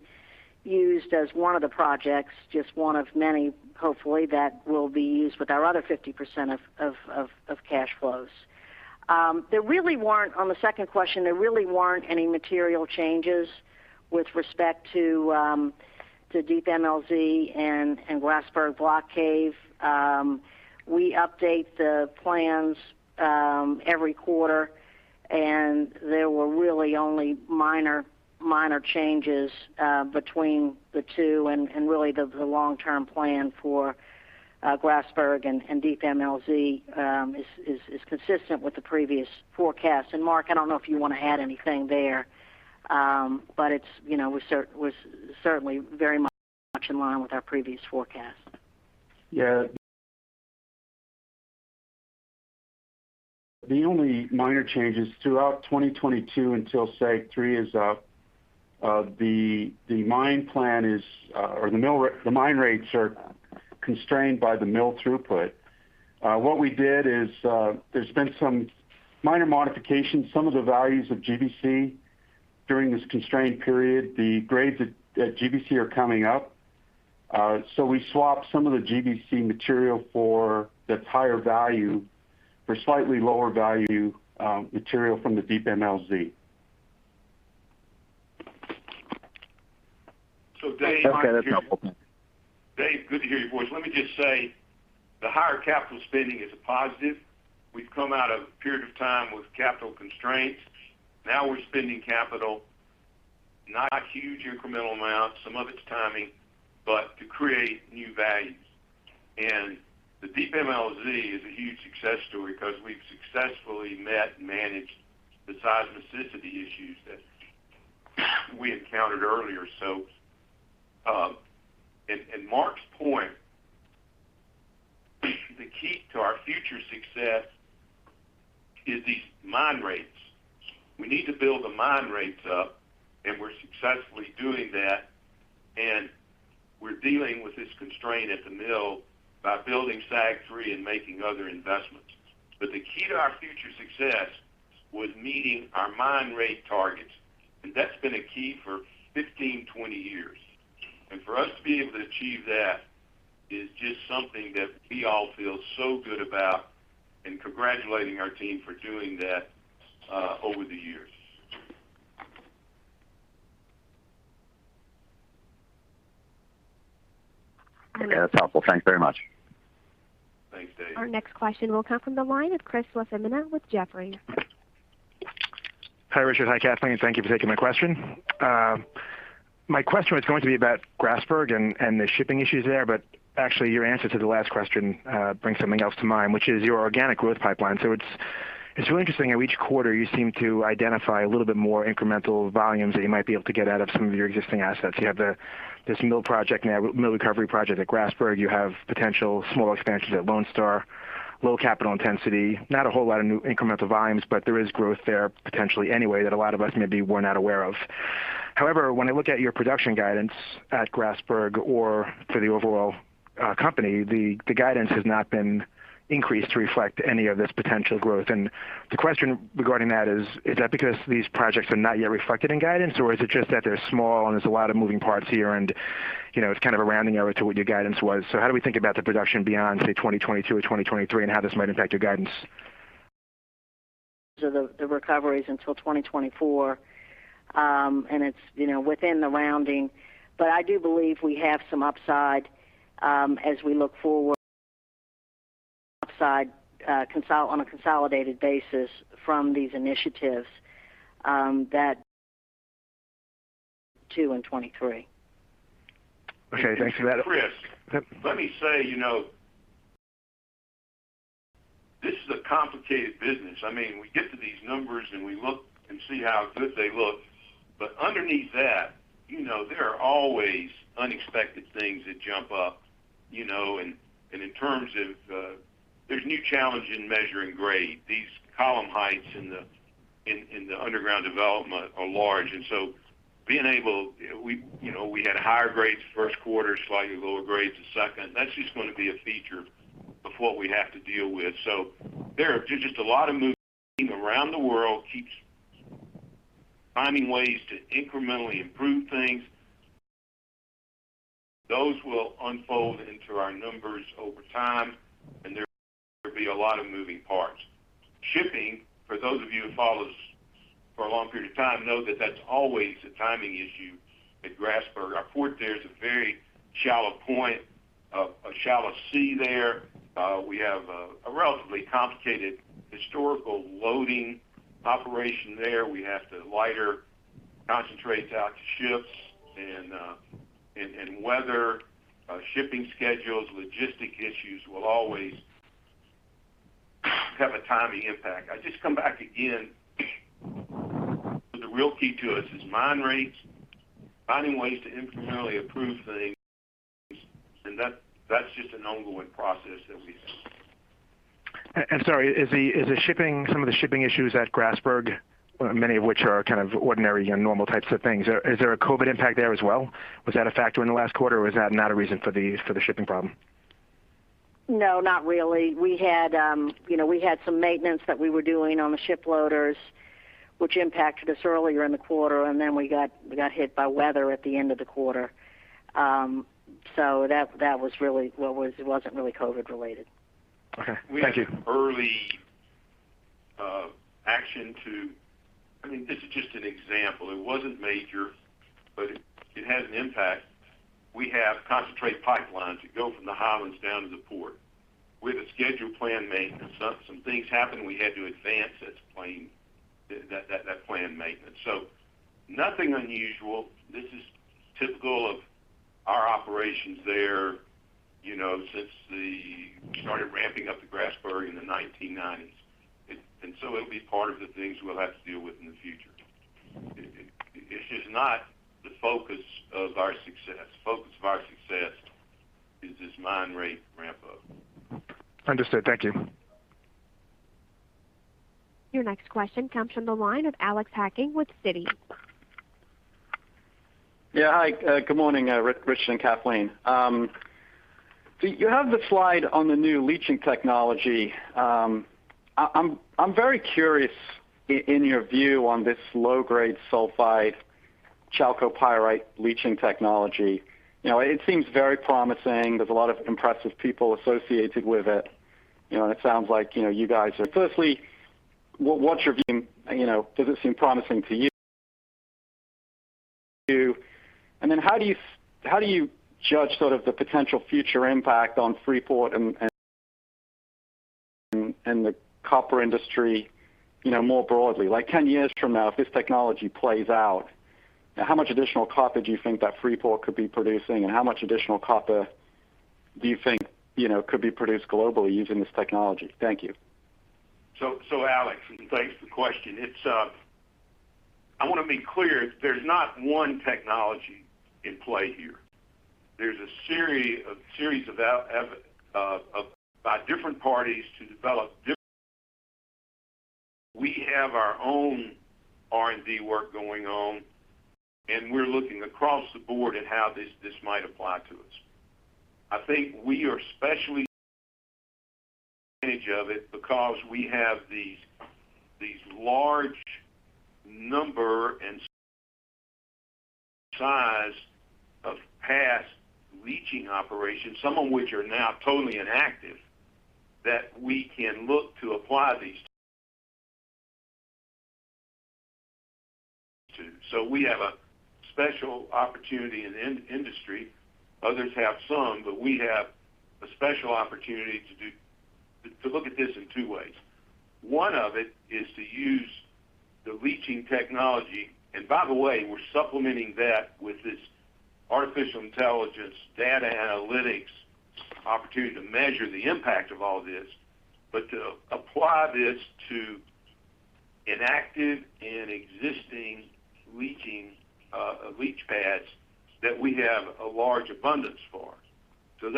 used as one of the projects, just one of many, hopefully, that will be used with our other 50% of cash flows. On the second question, there really weren't any material changes with respect to Deep MLZ and Grasberg Block Cave. We update the plans every quarter, and there were really only minor changes between the two. Really the long-term plan for Grasberg and Deep MLZ is consistent with the previous forecast. Mark, I don't know if you want to add anything there. It was certainly very much in line with our previous forecast. Yeah. The only minor changes throughout 2022 until SAG 3 is up, the mine rates are constrained by the mill throughput. What we did is, there's been some minor modifications, some of the values of GBC during this constraint period. The grades at GBC are coming up. We swapped some of the GBC material that's higher value for slightly lower value material from the Deep MLZ. Okay. That's helpful. David, good to hear your voice. Let me just say, the higher capital spending is a positive. We've come out of a period of time with capital constraints. We're spending capital, not huge incremental amounts, some of it's timing, but to create new values. The Deep MLZ is a huge success story because we've successfully met and managed the seismicity issues that we encountered earlier. Mark's point, the key to our future success is these mine rates. We need to build the mine rates up, and we're successfully doing that, and we're dealing with this constraint at the mill by building SAG 3 and making other investments. The key to our future success was meeting our mine rate targets, and that's been a key for 15, 20 years. For us to be able to achieve that is just something that we all feel so good about and congratulating our team for doing that over the years. Okay. That's helpful. Thanks very much. Thanks, David. Our next question will come from the line of Chris LaFemina with Jefferies. Hi, Richard. Hi, Kathleen. Thank you for taking my question. My question was going to be about Grasberg and the shipping issues there, but actually your answer to the last question brings something else to mind, which is your organic growth pipeline. It's really interesting how each quarter you seem to identify a little bit more incremental volumes that you might be able to get out of some of your existing assets. You have this mill recovery project at Grasberg. You have potential small expansions at Lone Star, low capital intensity, not a whole lot of new incremental volumes, but there is growth there potentially anyway, that a lot of us maybe were not aware of. However, when I look at your production guidance at Grasberg or for the overall company, the guidance has not been increased to reflect any of this potential growth. The question regarding that is that because these projects are not yet reflected in guidance, or is it just that they're small and there's a lot of moving parts here and it's kind of a rounding error to what your guidance was? How do we think about the production beyond, say, 2022 or 2023, and how this might impact your guidance? The recovery is until 2024, and it's within the rounding. I do believe we have some upside as we look forward. Upside on a consolidated basis from these initiatives that 2022 and 2023. Okay. Thanks for that. Chris, let me say, this is a complicated business. We get to these numbers and we look and see how good they look. Underneath that, there's always unexpected things that jump up, and in terms of there's new challenge in measuring grade. These column heights in the underground development are large, and so being able, we had higher grades first quarter, slightly lower grades the second. That's just going to be a feature of what we have to deal with. There are just a lot of moving around the world, finding ways to incrementally improve things. Those will unfold into our numbers over time, and there will be a lot of moving parts. Shipping, for those of you who follow us for a long period of time, know that that's always a timing issue at Grasberg. Our port there is a very shallow point, a shallow sea there. We have a relatively complicated historical loading operation there. We have to lighter concentrates out to ships and weather, shipping schedules, logistic issues will always have a timing impact. I just come back again, the real key to us is mine rates, finding ways to incrementally improve things. That's just an ongoing process that we have. Sorry, is some of the shipping issues at Grasberg, many of which are kind of ordinary and normal types of things, is there a COVID impact there as well? Was that a factor in the last quarter, or was that not a reason for the shipping problem? No, not really. We had some maintenance that we were doing on the ship loaders, which impacted us earlier in the quarter, and then we got hit by weather at the end of the quarter. That was really, well, it wasn't really COVID related. Okay. Thank you. We took early action. This is just an example. It wasn't major, but it had an impact. We have concentrate pipelines that go from the highlands down to the port. We had a scheduled planned maintenance. Some things happened, we had to advance that planned maintenance. Nothing unusual. This is typical of our operations there since they started ramping up the Grasberg in the 1990s. It'll be part of the things we'll have to deal with in the future. It's just not the focus of our success. Focus of our success is this mine rate ramp-up. Understood. Thank you. Your next question comes from the line of Alex Hacking with Citi. Hi, good morning, Richard and Kathleen. You have the slide on the new leaching technology. I'm very curious in your view on this low-grade sulfide chalcopyrite leaching technology. It seems very promising. There's a lot of impressive people associated with it, and it sounds like you guys are. Firstly, what's your view? Does it seem promising to you? How do you judge sort of the potential future impact on Freeport and the copper industry more broadly? Like 10 years from now, if this technology plays out, how much additional copper do you think that Freeport could be producing, and how much additional copper do you think could be produced globally using this technology? Thank you. Alex, and thanks for the question. I want to be clear, there's not one technology in play here. There's a series of efforts by different parties to develop different. We have our own R&D work going on, and we're looking across the board at how this might apply to us. I think we are especially advantage of it because we have these large number and size of past leaching operations, some of which are now totally inactive, that we can look to apply these to. We have a special opportunity in the industry. Others have some, but we have a special opportunity to look at this in two ways. One of it is to use the leaching technology, and by the way, we're supplementing that with this artificial intelligence, data analytics opportunity to measure the impact of all this, to apply this to inactive and existing leach pads that we have a large abundance for. Then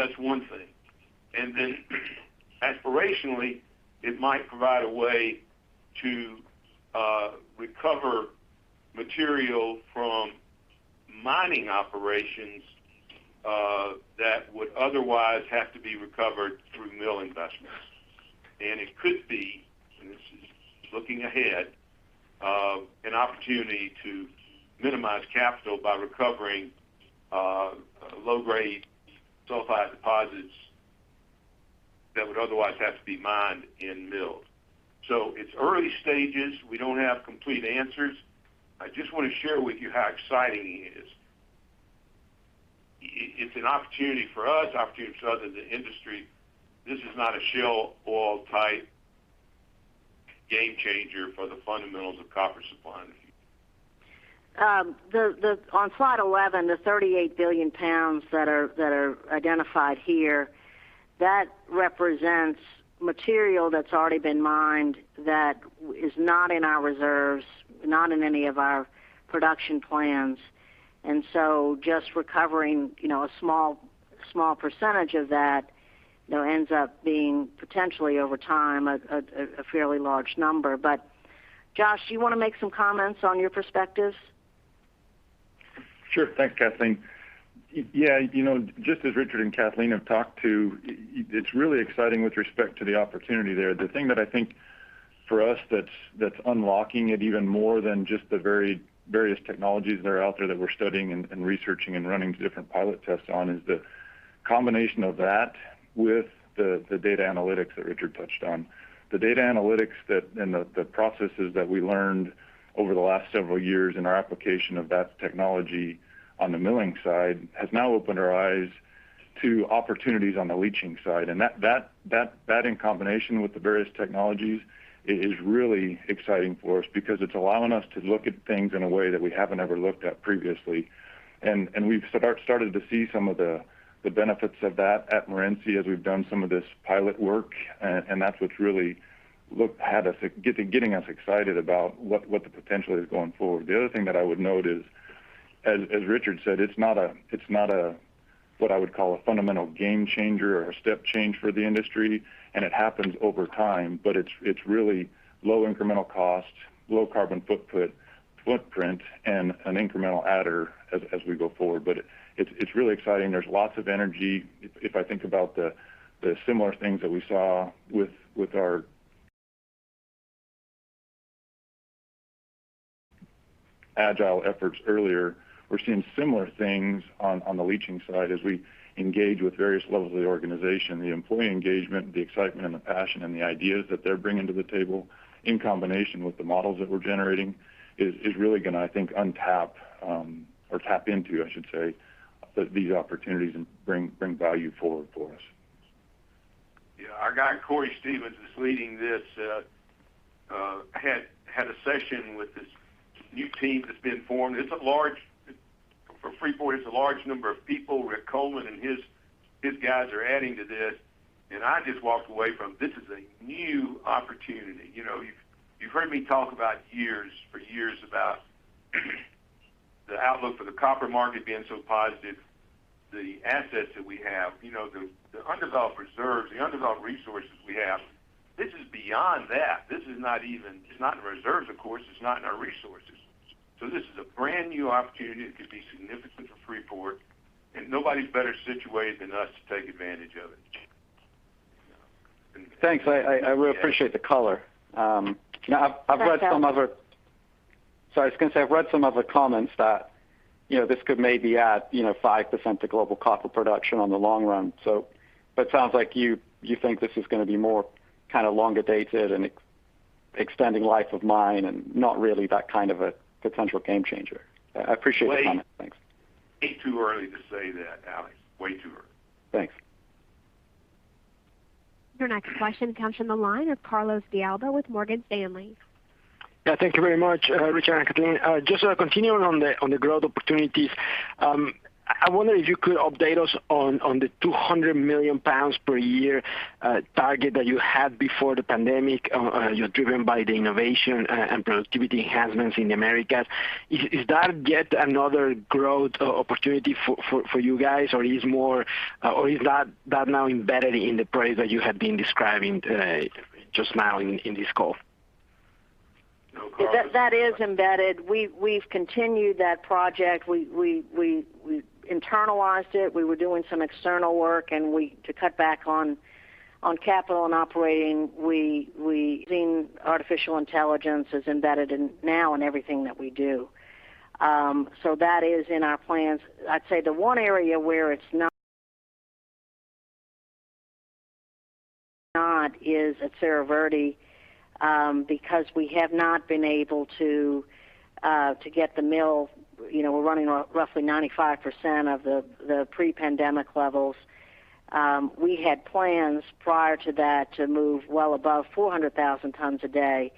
aspirationally, it might provide a way to recover material from mining operations that would otherwise have to be recovered through mill investments. It could be, and this is looking ahead, an opportunity to minimize capital by recovering low-grade sulfide deposits that would otherwise have to be mined in mills. It's early stages. We don't have complete answers. I just want to share with you how exciting it is. It's an opportunity for us, opportunity for others in the industry. This is not a shale oil-type game changer for the fundamentals of copper supply. On slide 11, the 38 billion lbs that are identified here, that represents material that's already been mined that is not in our reserves, not in any of our production plans. Just recovering a small percentage of that ends up being potentially, over time, a fairly large number. Josh, do you want to make some comments on your perspectives? Sure. Thanks, Kathleen. Yeah. Just as Richard and Kathleen have talked to, it's really exciting with respect to the opportunity there. The thing that I think for us that's unlocking it even more than just the various technologies that are out there that we're studying and researching and running different pilot tests on, is the combination of that with the data analytics that Richard touched on. The data analytics and the processes that we learned over the last several years, and our application of that technology on the milling side, has now opened our eyes to opportunities on the leaching side. That in combination with the various technologies, is really exciting for us because it's allowing us to look at things in a way that we haven't ever looked at previously. We've started to see some of the benefits of that at Morenci as we've done some of this pilot work, and that's what's really getting us excited about what the potential is going forward. The other thing that I would note is, as Richard said, it's not what I would call a fundamental game changer or a step change for the industry, and it happens over time, but it's really low incremental cost, low carbon footprint, and an incremental adder as we go forward. It's really exciting. There's lots of energy. If I think about the similar things that we saw with our agile efforts earlier, we're seeing similar things on the leaching side as we engage with various levels of the organization. The employee engagement, the excitement and the passion and the ideas that they're bringing to the table, in combination with the models that we're generating, is really going to, I think, untap, or tap into, I should say, these opportunities and bring value forward for us. Yeah. Our guy, Cory Stevens, is leading this. Had a session with this new team that's been formed. For Freeport, it's a large number of people. Rick Coleman and his guys are adding to this. I just walked away from it. This is a new opportunity. You've heard me talk about years, for years about the outlook for the copper market being so positive, the assets that we have, the undeveloped reserves, the undeveloped resources we have. This is beyond that. It's not in reserves, of course, it's not in our resources. This is a brand-new opportunity that could be significant for Freeport, and nobody's better situated than us to take advantage of it. Thanks. I really appreciate the color. Thanks, Alex. Sorry. I was going to say, I've read some other comments that this could maybe add 5% to global copper production on the long run. It sounds like you think this is going to be more longer dated and extending life of mine and not really that kind of a potential game changer. I appreciate the comment. Thanks. Way too early to say that, Alex. Way too early. Thanks. Your next question comes from the line of Carlos de Alba with Morgan Stanley. Yeah, thank you very much, Richard and Kathleen. Just continuing on the growth opportunities. I wonder if you could update us on the 200 million lbs per year target that you had before the pandemic, driven by the innovation and productivity enhancements in the Americas. Is that yet another growth opportunity for you guys, or is that now embedded in the price that you had been describing today, just now in this call? No, Carlos. That is embedded. We've continued that project. We internalized it. We were doing some external work, and to cut back on capital and operating, we think artificial intelligence is embedded now in everything that we do. That is in our plans. I'd say the one area where it's not not is at Cerro Verde, because we have not been able to get the mill running on roughly 95% of the pre-pandemic levels. We had plans prior to that to move well above 400,000 tons a day.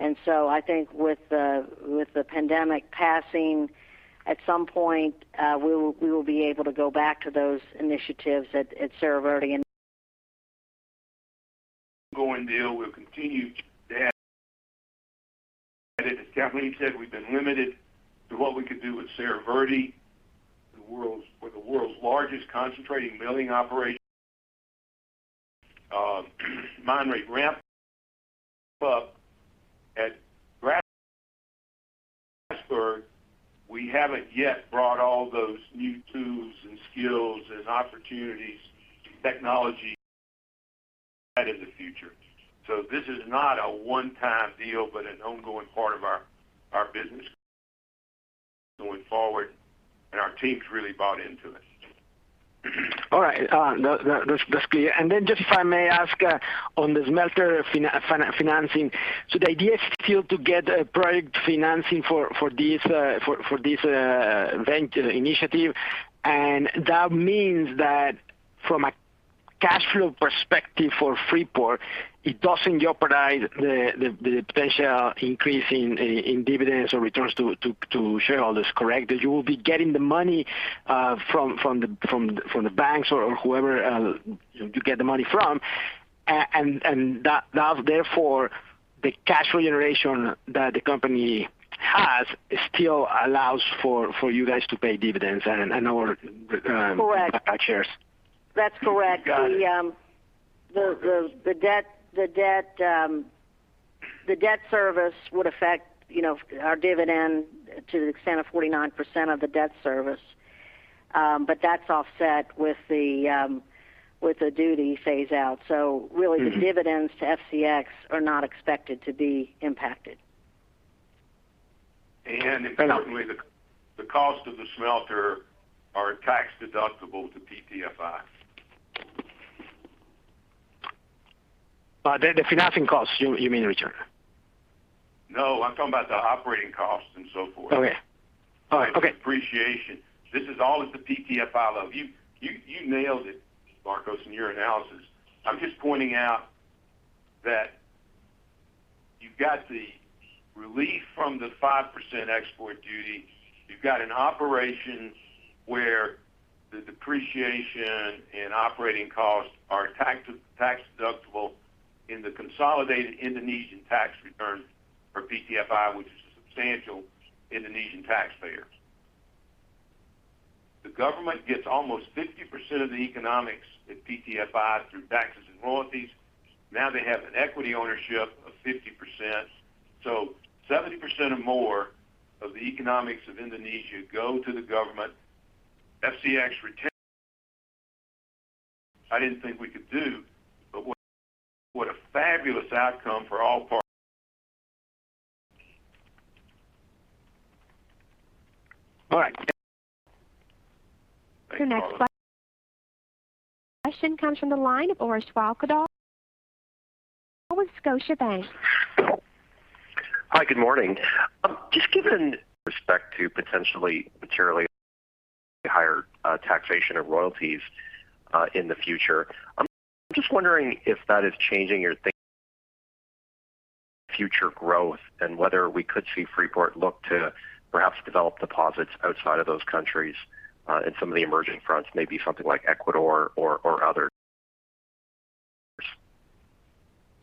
I think with the pandemic passing, at some point, we will be able to go back to those initiatives at Cerro Verde and... ongoing deal. We'll continue to, as Kathleen said, we've been limited to what we could do with Cerro Verde. We're the world's largest concentrating milling operation. Mine rate ramp up at Grasberg. We haven't yet brought all those new tools and skills and opportunities, technology that in the future. This is not a one-time deal, but an ongoing part of our business going forward, and our team's really bought into it. All right. That's clear. Just if I may ask on the smelter financing. The idea is still to get a project financing for this initiative. That means that from a cash flow perspective for Freeport, it doesn't jeopardize the potential increase in dividends or returns to shareholders, correct? That you will be getting the money from the banks or whoever you get the money from, and that therefore the cash flow generation that the company has still allows for you guys to pay dividends and buy back shares. That's correct. Got it. The debt service would affect our dividend to the extent of 49% of the debt service. That's offset with the duty phase-out. The dividends to FCX are not expected to be impacted. Importantly, the cost of the smelter is tax deductible to PTFI. The financing costs, you mean, Richard? No, I'm talking about the operating costs and so forth. Okay. All right. Okay. Depreciation. This is all at the PTFI level. You nailed it, Carlos, in your analysis. I'm just pointing out that you've got the relief from the 5% export duty. You've got an operation where the depreciation and operating costs are tax deductible in the consolidated Indonesian tax return for PTFI, which is a substantial Indonesian taxpayer. The government gets almost 50% of the economics at PTFI through taxes and royalties. Now they have an equity ownership of 50%. 70% or more of the economics of Indonesia go to the government. FCX retained I didn't think we could do, but what a fabulous outcome for all parties. All right. The next question comes from the line of Orest Wowkodaw, with Scotiabank. Hi, good morning. Just given respect to potentially materially higher taxation of royalties in the future, I'm just wondering if that is changing your thinking future growth and whether we could see Freeport look to perhaps develop deposits outside of those countries, in some of the emerging fronts, maybe something like Ecuador or other?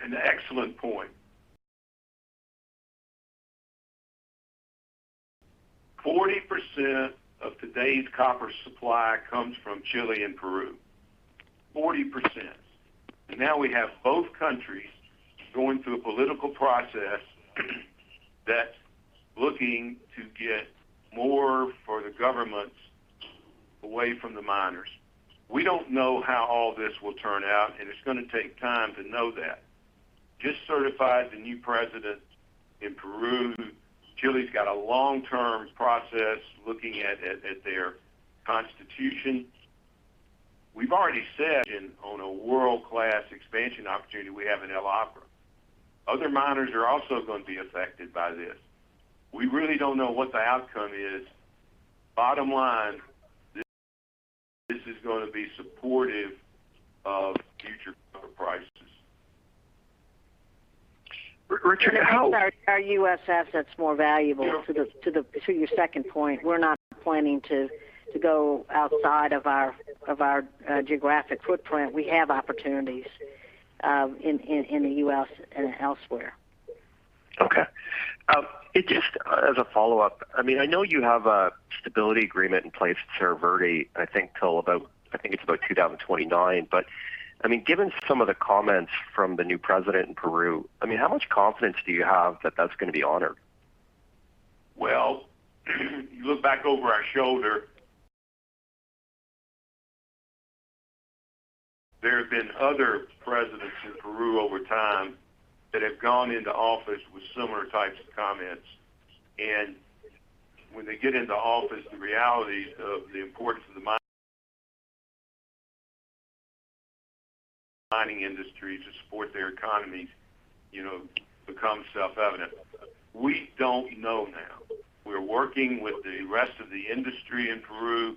An excellent point. 40% of today's copper supply comes from Chile and Peru, 40%. Now we have both countries going through a political process that's looking to get more for the governments away from the miners. We don't know how all this will turn out, and it's going to take time to know that. Just certified the new president in Peru. Chile's got a long-term process looking at their constitution. We've already said on a world-class expansion opportunity we have in El Abra. Other miners are also going to be affected by this. We really don't know what the outcome is. Bottom line, this is going to be supportive of future copper prices. Richard, how-. It makes our U.S. assets more valuable. To your second point, we're not planning to go outside of our geographic footprint. We have opportunities in the U.S. and elsewhere. Okay. Just as a follow-up, I know you have a stability agreement in place at Cerro Verde, I think it's about 2029. Given some of the comments from the new president in Peru, how much confidence do you have that that's going to be honored? Well, you look back over our shoulder. There have been other presidents in Peru over time that have gone into office with similar types of comments. When they get into office, the realities of the importance of the mining industry to support their economies becomes self-evident. We don't know now. We're working with the rest of the industry in Peru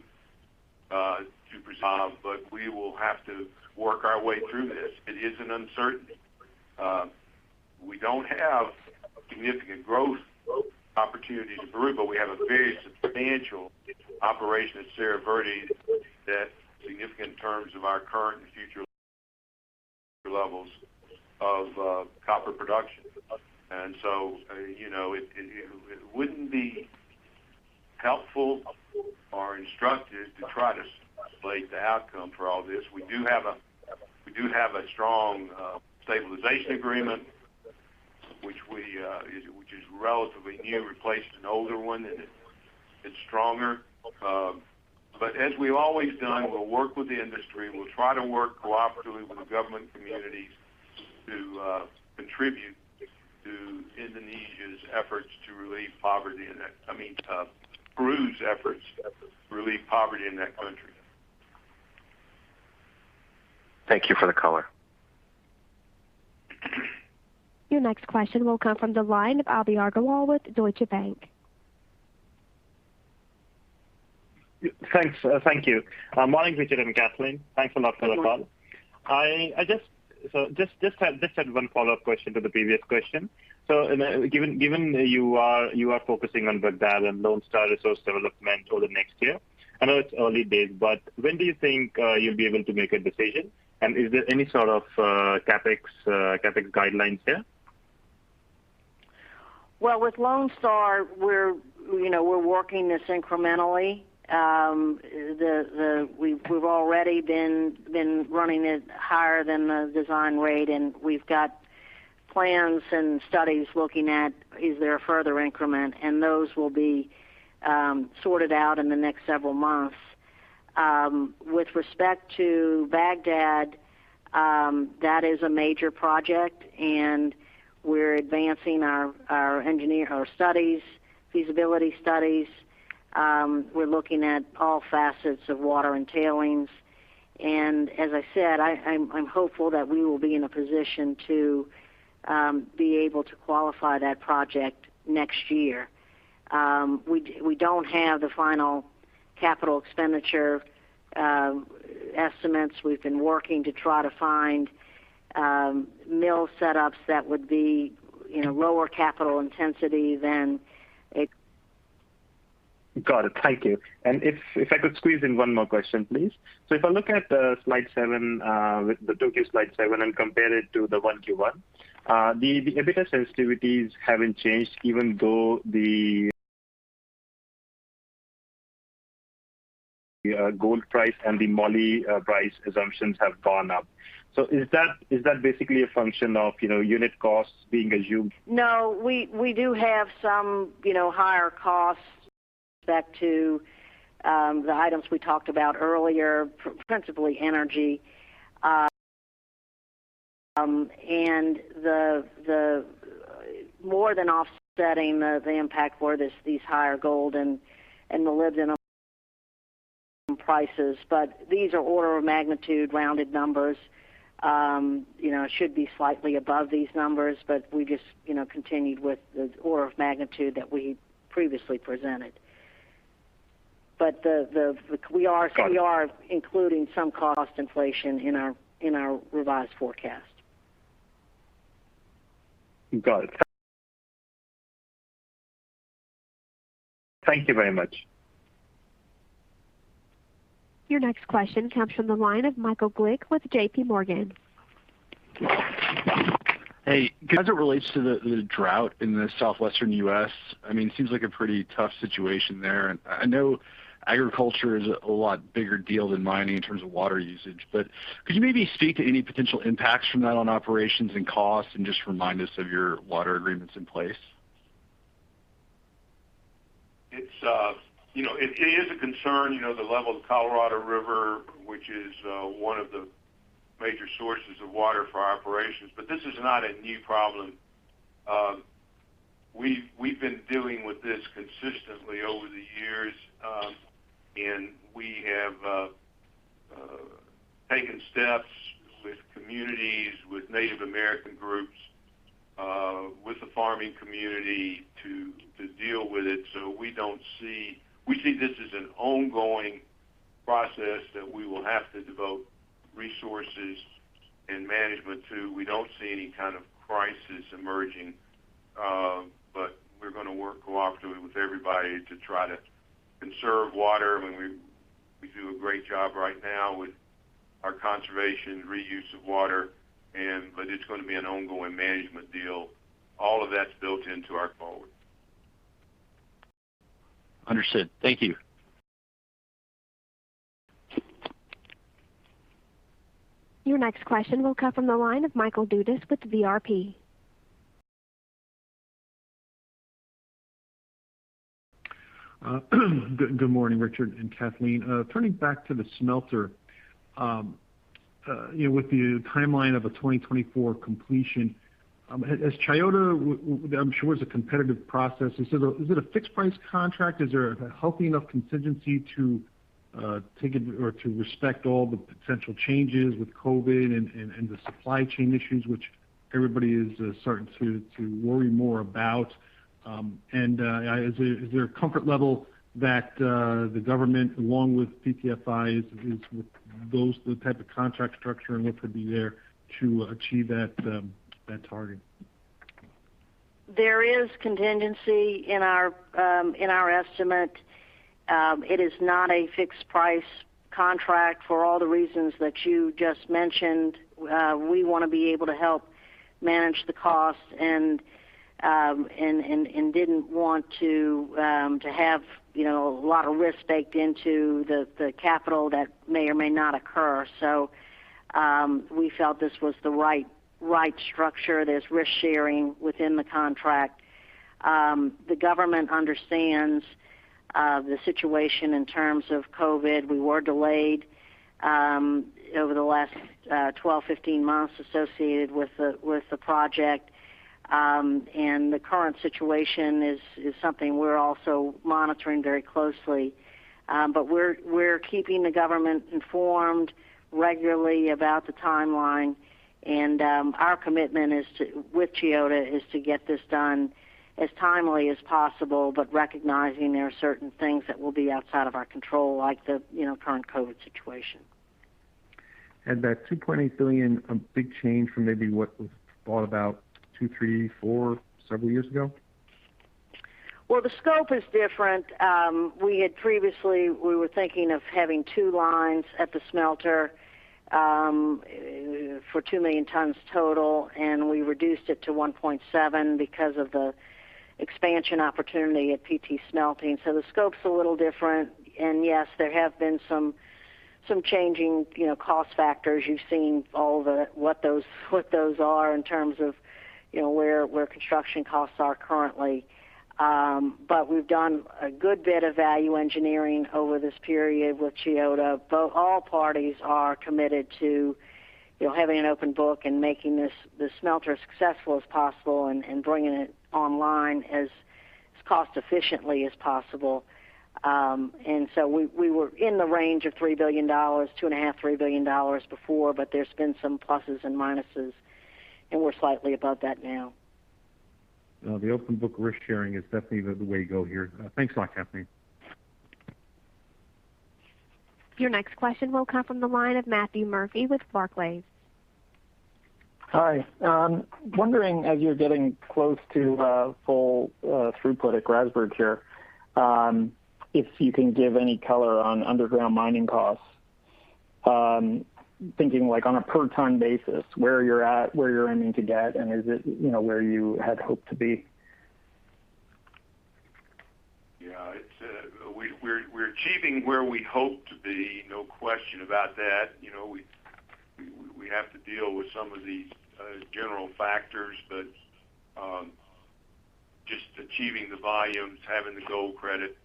to proceed, but we will have to work our way through this. It is an uncertainty. We don't have a significant growth opportunity in Peru, but we have a very substantial operation at Cerro Verde that significant in terms of our current and future levels of copper production. It wouldn't be helpful or instructive to try to speculate the outcome for all this. We do have a strong stabilization agreement, which is relatively new, replaced an older one, and it's stronger. As we've always done, we'll work with the industry, and we'll try to work cooperatively with the government communities to contribute to Indonesia's efforts to relieve poverty in that, I mean, Peru's efforts to relieve poverty in that country. Thank you for the color. Your next question will come from the line of Abhi Agarwal with Deutsche Bank. Thanks. Thank you. Morning, Richard and Kathleen. Thanks a lot for the call. Good morning. I just had one follow-up question to the previous question. Given you are focusing on Bagdad and Lone Star resource development over the next year, I know it's early days, but when do you think you'll be able to make a decision, and is there any sort of CapEx guidelines there? Well, with Lone Star, we're working this incrementally. We've already been running it higher than the design rate, and we've got plans and studies looking at is there a further increment, and those will be sorted out in the next several months. With respect to Bagdad, that is a major project, and we're advancing our studies, feasibility studies. We're looking at all facets of water and tailings, and as I said, I'm hopeful that we will be in a position to be able to qualify that project next year. We don't have the final capital expenditure estimates. We've been working to try to find mill setups that would be lower capital intensity than. Got it. Thank you. If I could squeeze in one more question, please. If I look at the slide seven with the two key slide seven and compare it to the 1Q 2021, the EBITDA sensitivities haven't changed even though the gold price and the moly price assumptions have gone up. Is that basically a function of unit costs being assumed? We do have some higher costs goes back to the items we talked about earlier, principally energy. More than offsetting the impact for these higher gold and molybdenum prices. These are order of magnitude rounded numbers. Should be slightly above these numbers, but we just continued with the order of magnitude that we previously presented. Got it. we are including some cost inflation in our revised forecast. Got it. Thank you very much. Your next question comes from the line of Michael Glick with JPMorgan. Hey, as it relates to the drought in the southwestern U.S., it seems like a pretty tough situation there. I know agriculture is a lot bigger deal than mining in terms of water usage, but could you maybe speak to any potential impacts from that on operations and costs and just remind us of your water agreements in place? It is a concern, the level of Colorado River, which is one of the major sources of water for our operations. This is not a new problem. We've been dealing with this consistently over the years, and we have taken steps with communities, with Native American groups, with the farming community to deal with it. We see this as an ongoing process that we will have to devote resources and management to. We don't see any kind of crisis emerging. We're going to work cooperatively with everybody to try to conserve water. I mean, we do a great job right now with our conservation reuse of water, but it's going to be an ongoing management deal. All of that's built into our forward. Understood. Thank you. Your next question will come from the line of Michael Dudas with Vertical Research Partners. Good morning, Richard and Kathleen. Turning back to the smelter. With the timeline of a 2024 completion, as Chiyoda, I'm sure it's a competitive process. Is it a fixed price contract? Is there a healthy enough contingency to take it or to respect all the potential changes with COVID and the supply chain issues, which everybody is starting to worry more about? Is there a comfort level that the government, along with PTFI, is with the type of contract structure and what could be there to achieve that target? There is contingency in our estimate. It is not a fixed price contract for all the reasons that you just mentioned. We want to be able to help manage the costs and didn't want to have a lot of risk baked into the capital that may or may not occur. We felt this was the right structure. There's risk-sharing within the contract. The government understands the situation in terms of COVID. We were delayed over the last 12, 15 months associated with the project. The current situation is something we're also monitoring very closely. We're keeping the government informed regularly about the timeline, and our commitment with Chiyoda is to get this done as timely as possible, but recognizing there are certain things that will be outside of our control, like the current COVID situation. That $2.8 billion, a big change from maybe what was thought about two, three, four, several years ago? Well, the scope is different. We had previously, we were thinking of having two million tons total, and we reduced it to 1.7 million because of the expansion opportunity at PT Smelting. The scope's a little different. Yes, there have been some changing cost factors. You've seen what those are in terms of where construction costs are currently. We've done a good bit of value engineering over this period with Chiyoda. All parties are committed to having an open book and making the smelter successful as possible and bringing it online as cost efficiently as possible. We were in the range of $2.5 billion-$3 billion before, but there's been some pluses and minuses, and we're slightly above that now. The open book risk sharing is definitely the way to go here. Thanks a lot, Kathleen. Your next question will come from the line of Matt Murphy with Barclays. Hi. Wondering as you're getting close to full throughput at Grasberg here, if you can give any color on underground mining costs. Thinking like on a per 1 ton basis, where you're at, where you're aiming to get, and is it where you had hoped to be? We're achieving where we hope to be, no question about that. We have to deal with some of these general factors, but just achieving the volumes, having the gold credit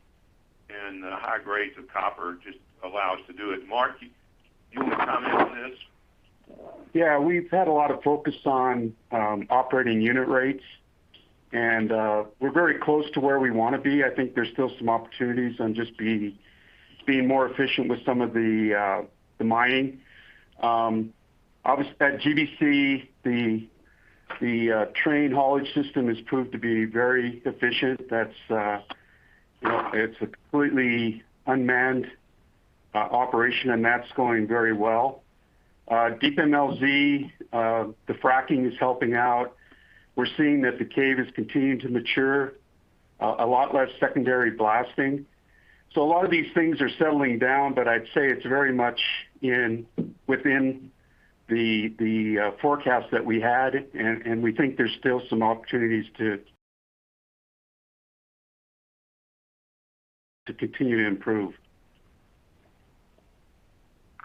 and the high grades of copper just allow us to do it. Mark, do you want to comment on this? Yeah. We've had a lot of focus on operating unit rates, and we're very close to where we want to be. I think there's still some opportunities on just being more efficient with some of the mining. Obviously, at GBC, the train haulage system has proved to be very efficient. It's a completely unmanned operation, and that's going very well. Deep MLZ, the fracking is helping out. We're seeing that the cave is continuing to mature, a lot less secondary blasting. A lot of these things are settling down, but I'd say it's very much within the forecast that we had, and we think there's still some opportunities to continue to improve.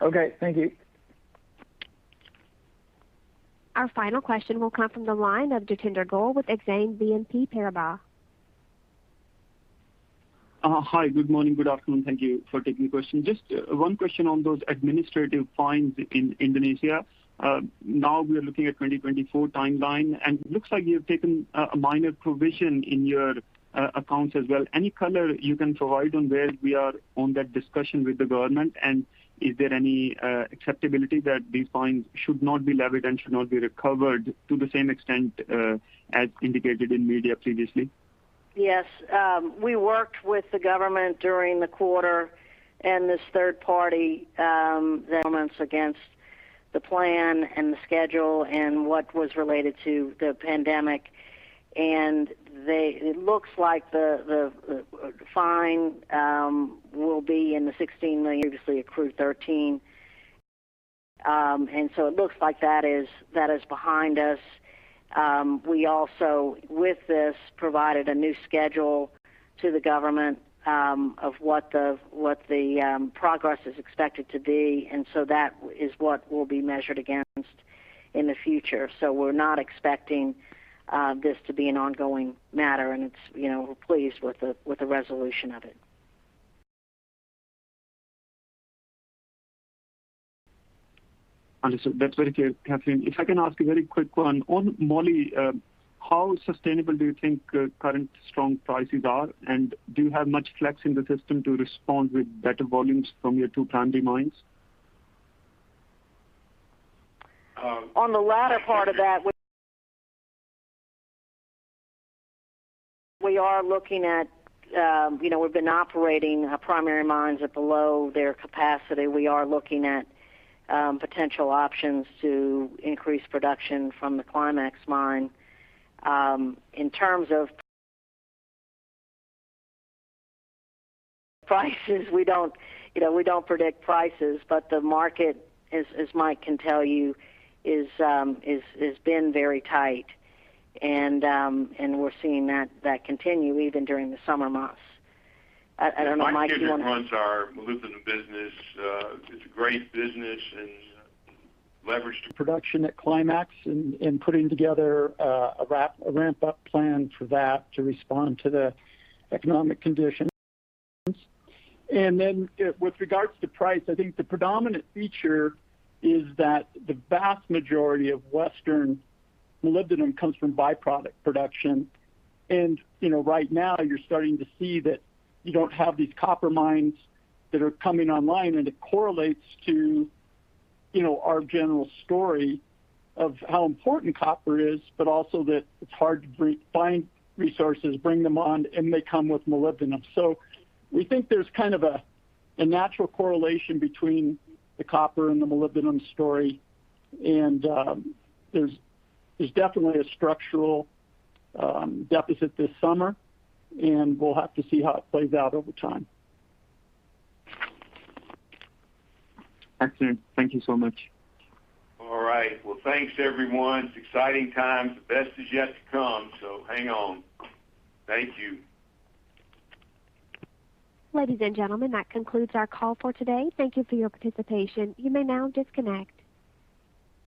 Okay. Thank you. Our final question will come from the line of Jatinder Goel with Exane BNP Paribas. Hi, good morning. Good afternoon. Thank you for taking the question. Just one question on those administrative fines in Indonesia. Now we are looking at 2024 timeline, and looks like you've taken a minor provision in your accounts as well. Any color you can provide on where we are on that discussion with the government, and is there any acceptability that these fines should not be levied and should not be recovered to the same extent, as indicated in media previously? Yes. We worked with the government during the quarter and this third party, elements against the plan and the schedule and what was related to the pandemic. It looks like the fine will be in the $16 million, previously accrued $13 million. It looks like that is behind us. We also, with this, provided a new schedule to the government, of what the progress is expected to be, that is what will be measured against in the future. We're not expecting this to be an ongoing matter, and we're pleased with the resolution of it. Understood. That's very clear, Kathleen. If I can ask a very quick one. On moly, how sustainable do you think current strong prices are? Do you have much flex in the system to respond with better volumes from your two primary mines? On the latter part of that, we are looking at, we've been operating our primary mines at below their capacity. We are looking at potential options to increase production from the Climax mine. In terms of prices, we don't predict prices, but the market, as Michael can tell you, has been very tight, and we're seeing that continue even during the summer months. I don't know, Michael, do you want to? Michael J. Kendrick runs our molybdenum business. It's a great business and. Production at Climax and putting together a ramp-up plan for that to respond to the economic conditions. With regards to price, I think the predominant feature is that the vast majority of western molybdenum comes from byproduct production. Right now you're starting to see that you don't have these copper mines that are coming online, and it correlates to our general story of how important copper is, but also that it's hard to find resources, bring them on, and they come with molybdenum. We think there's kind of a natural correlation between the copper and the molybdenum story, and there's definitely a structural deficit this summer, and we'll have to see how it plays out over time. Excellent. Thank you so much. All right. Well, thanks everyone. It's exciting times. The best is yet to come, so hang on. Thank you. Ladies and gentlemen, that concludes our call for today. Thank you for your participation. You may now disconnect.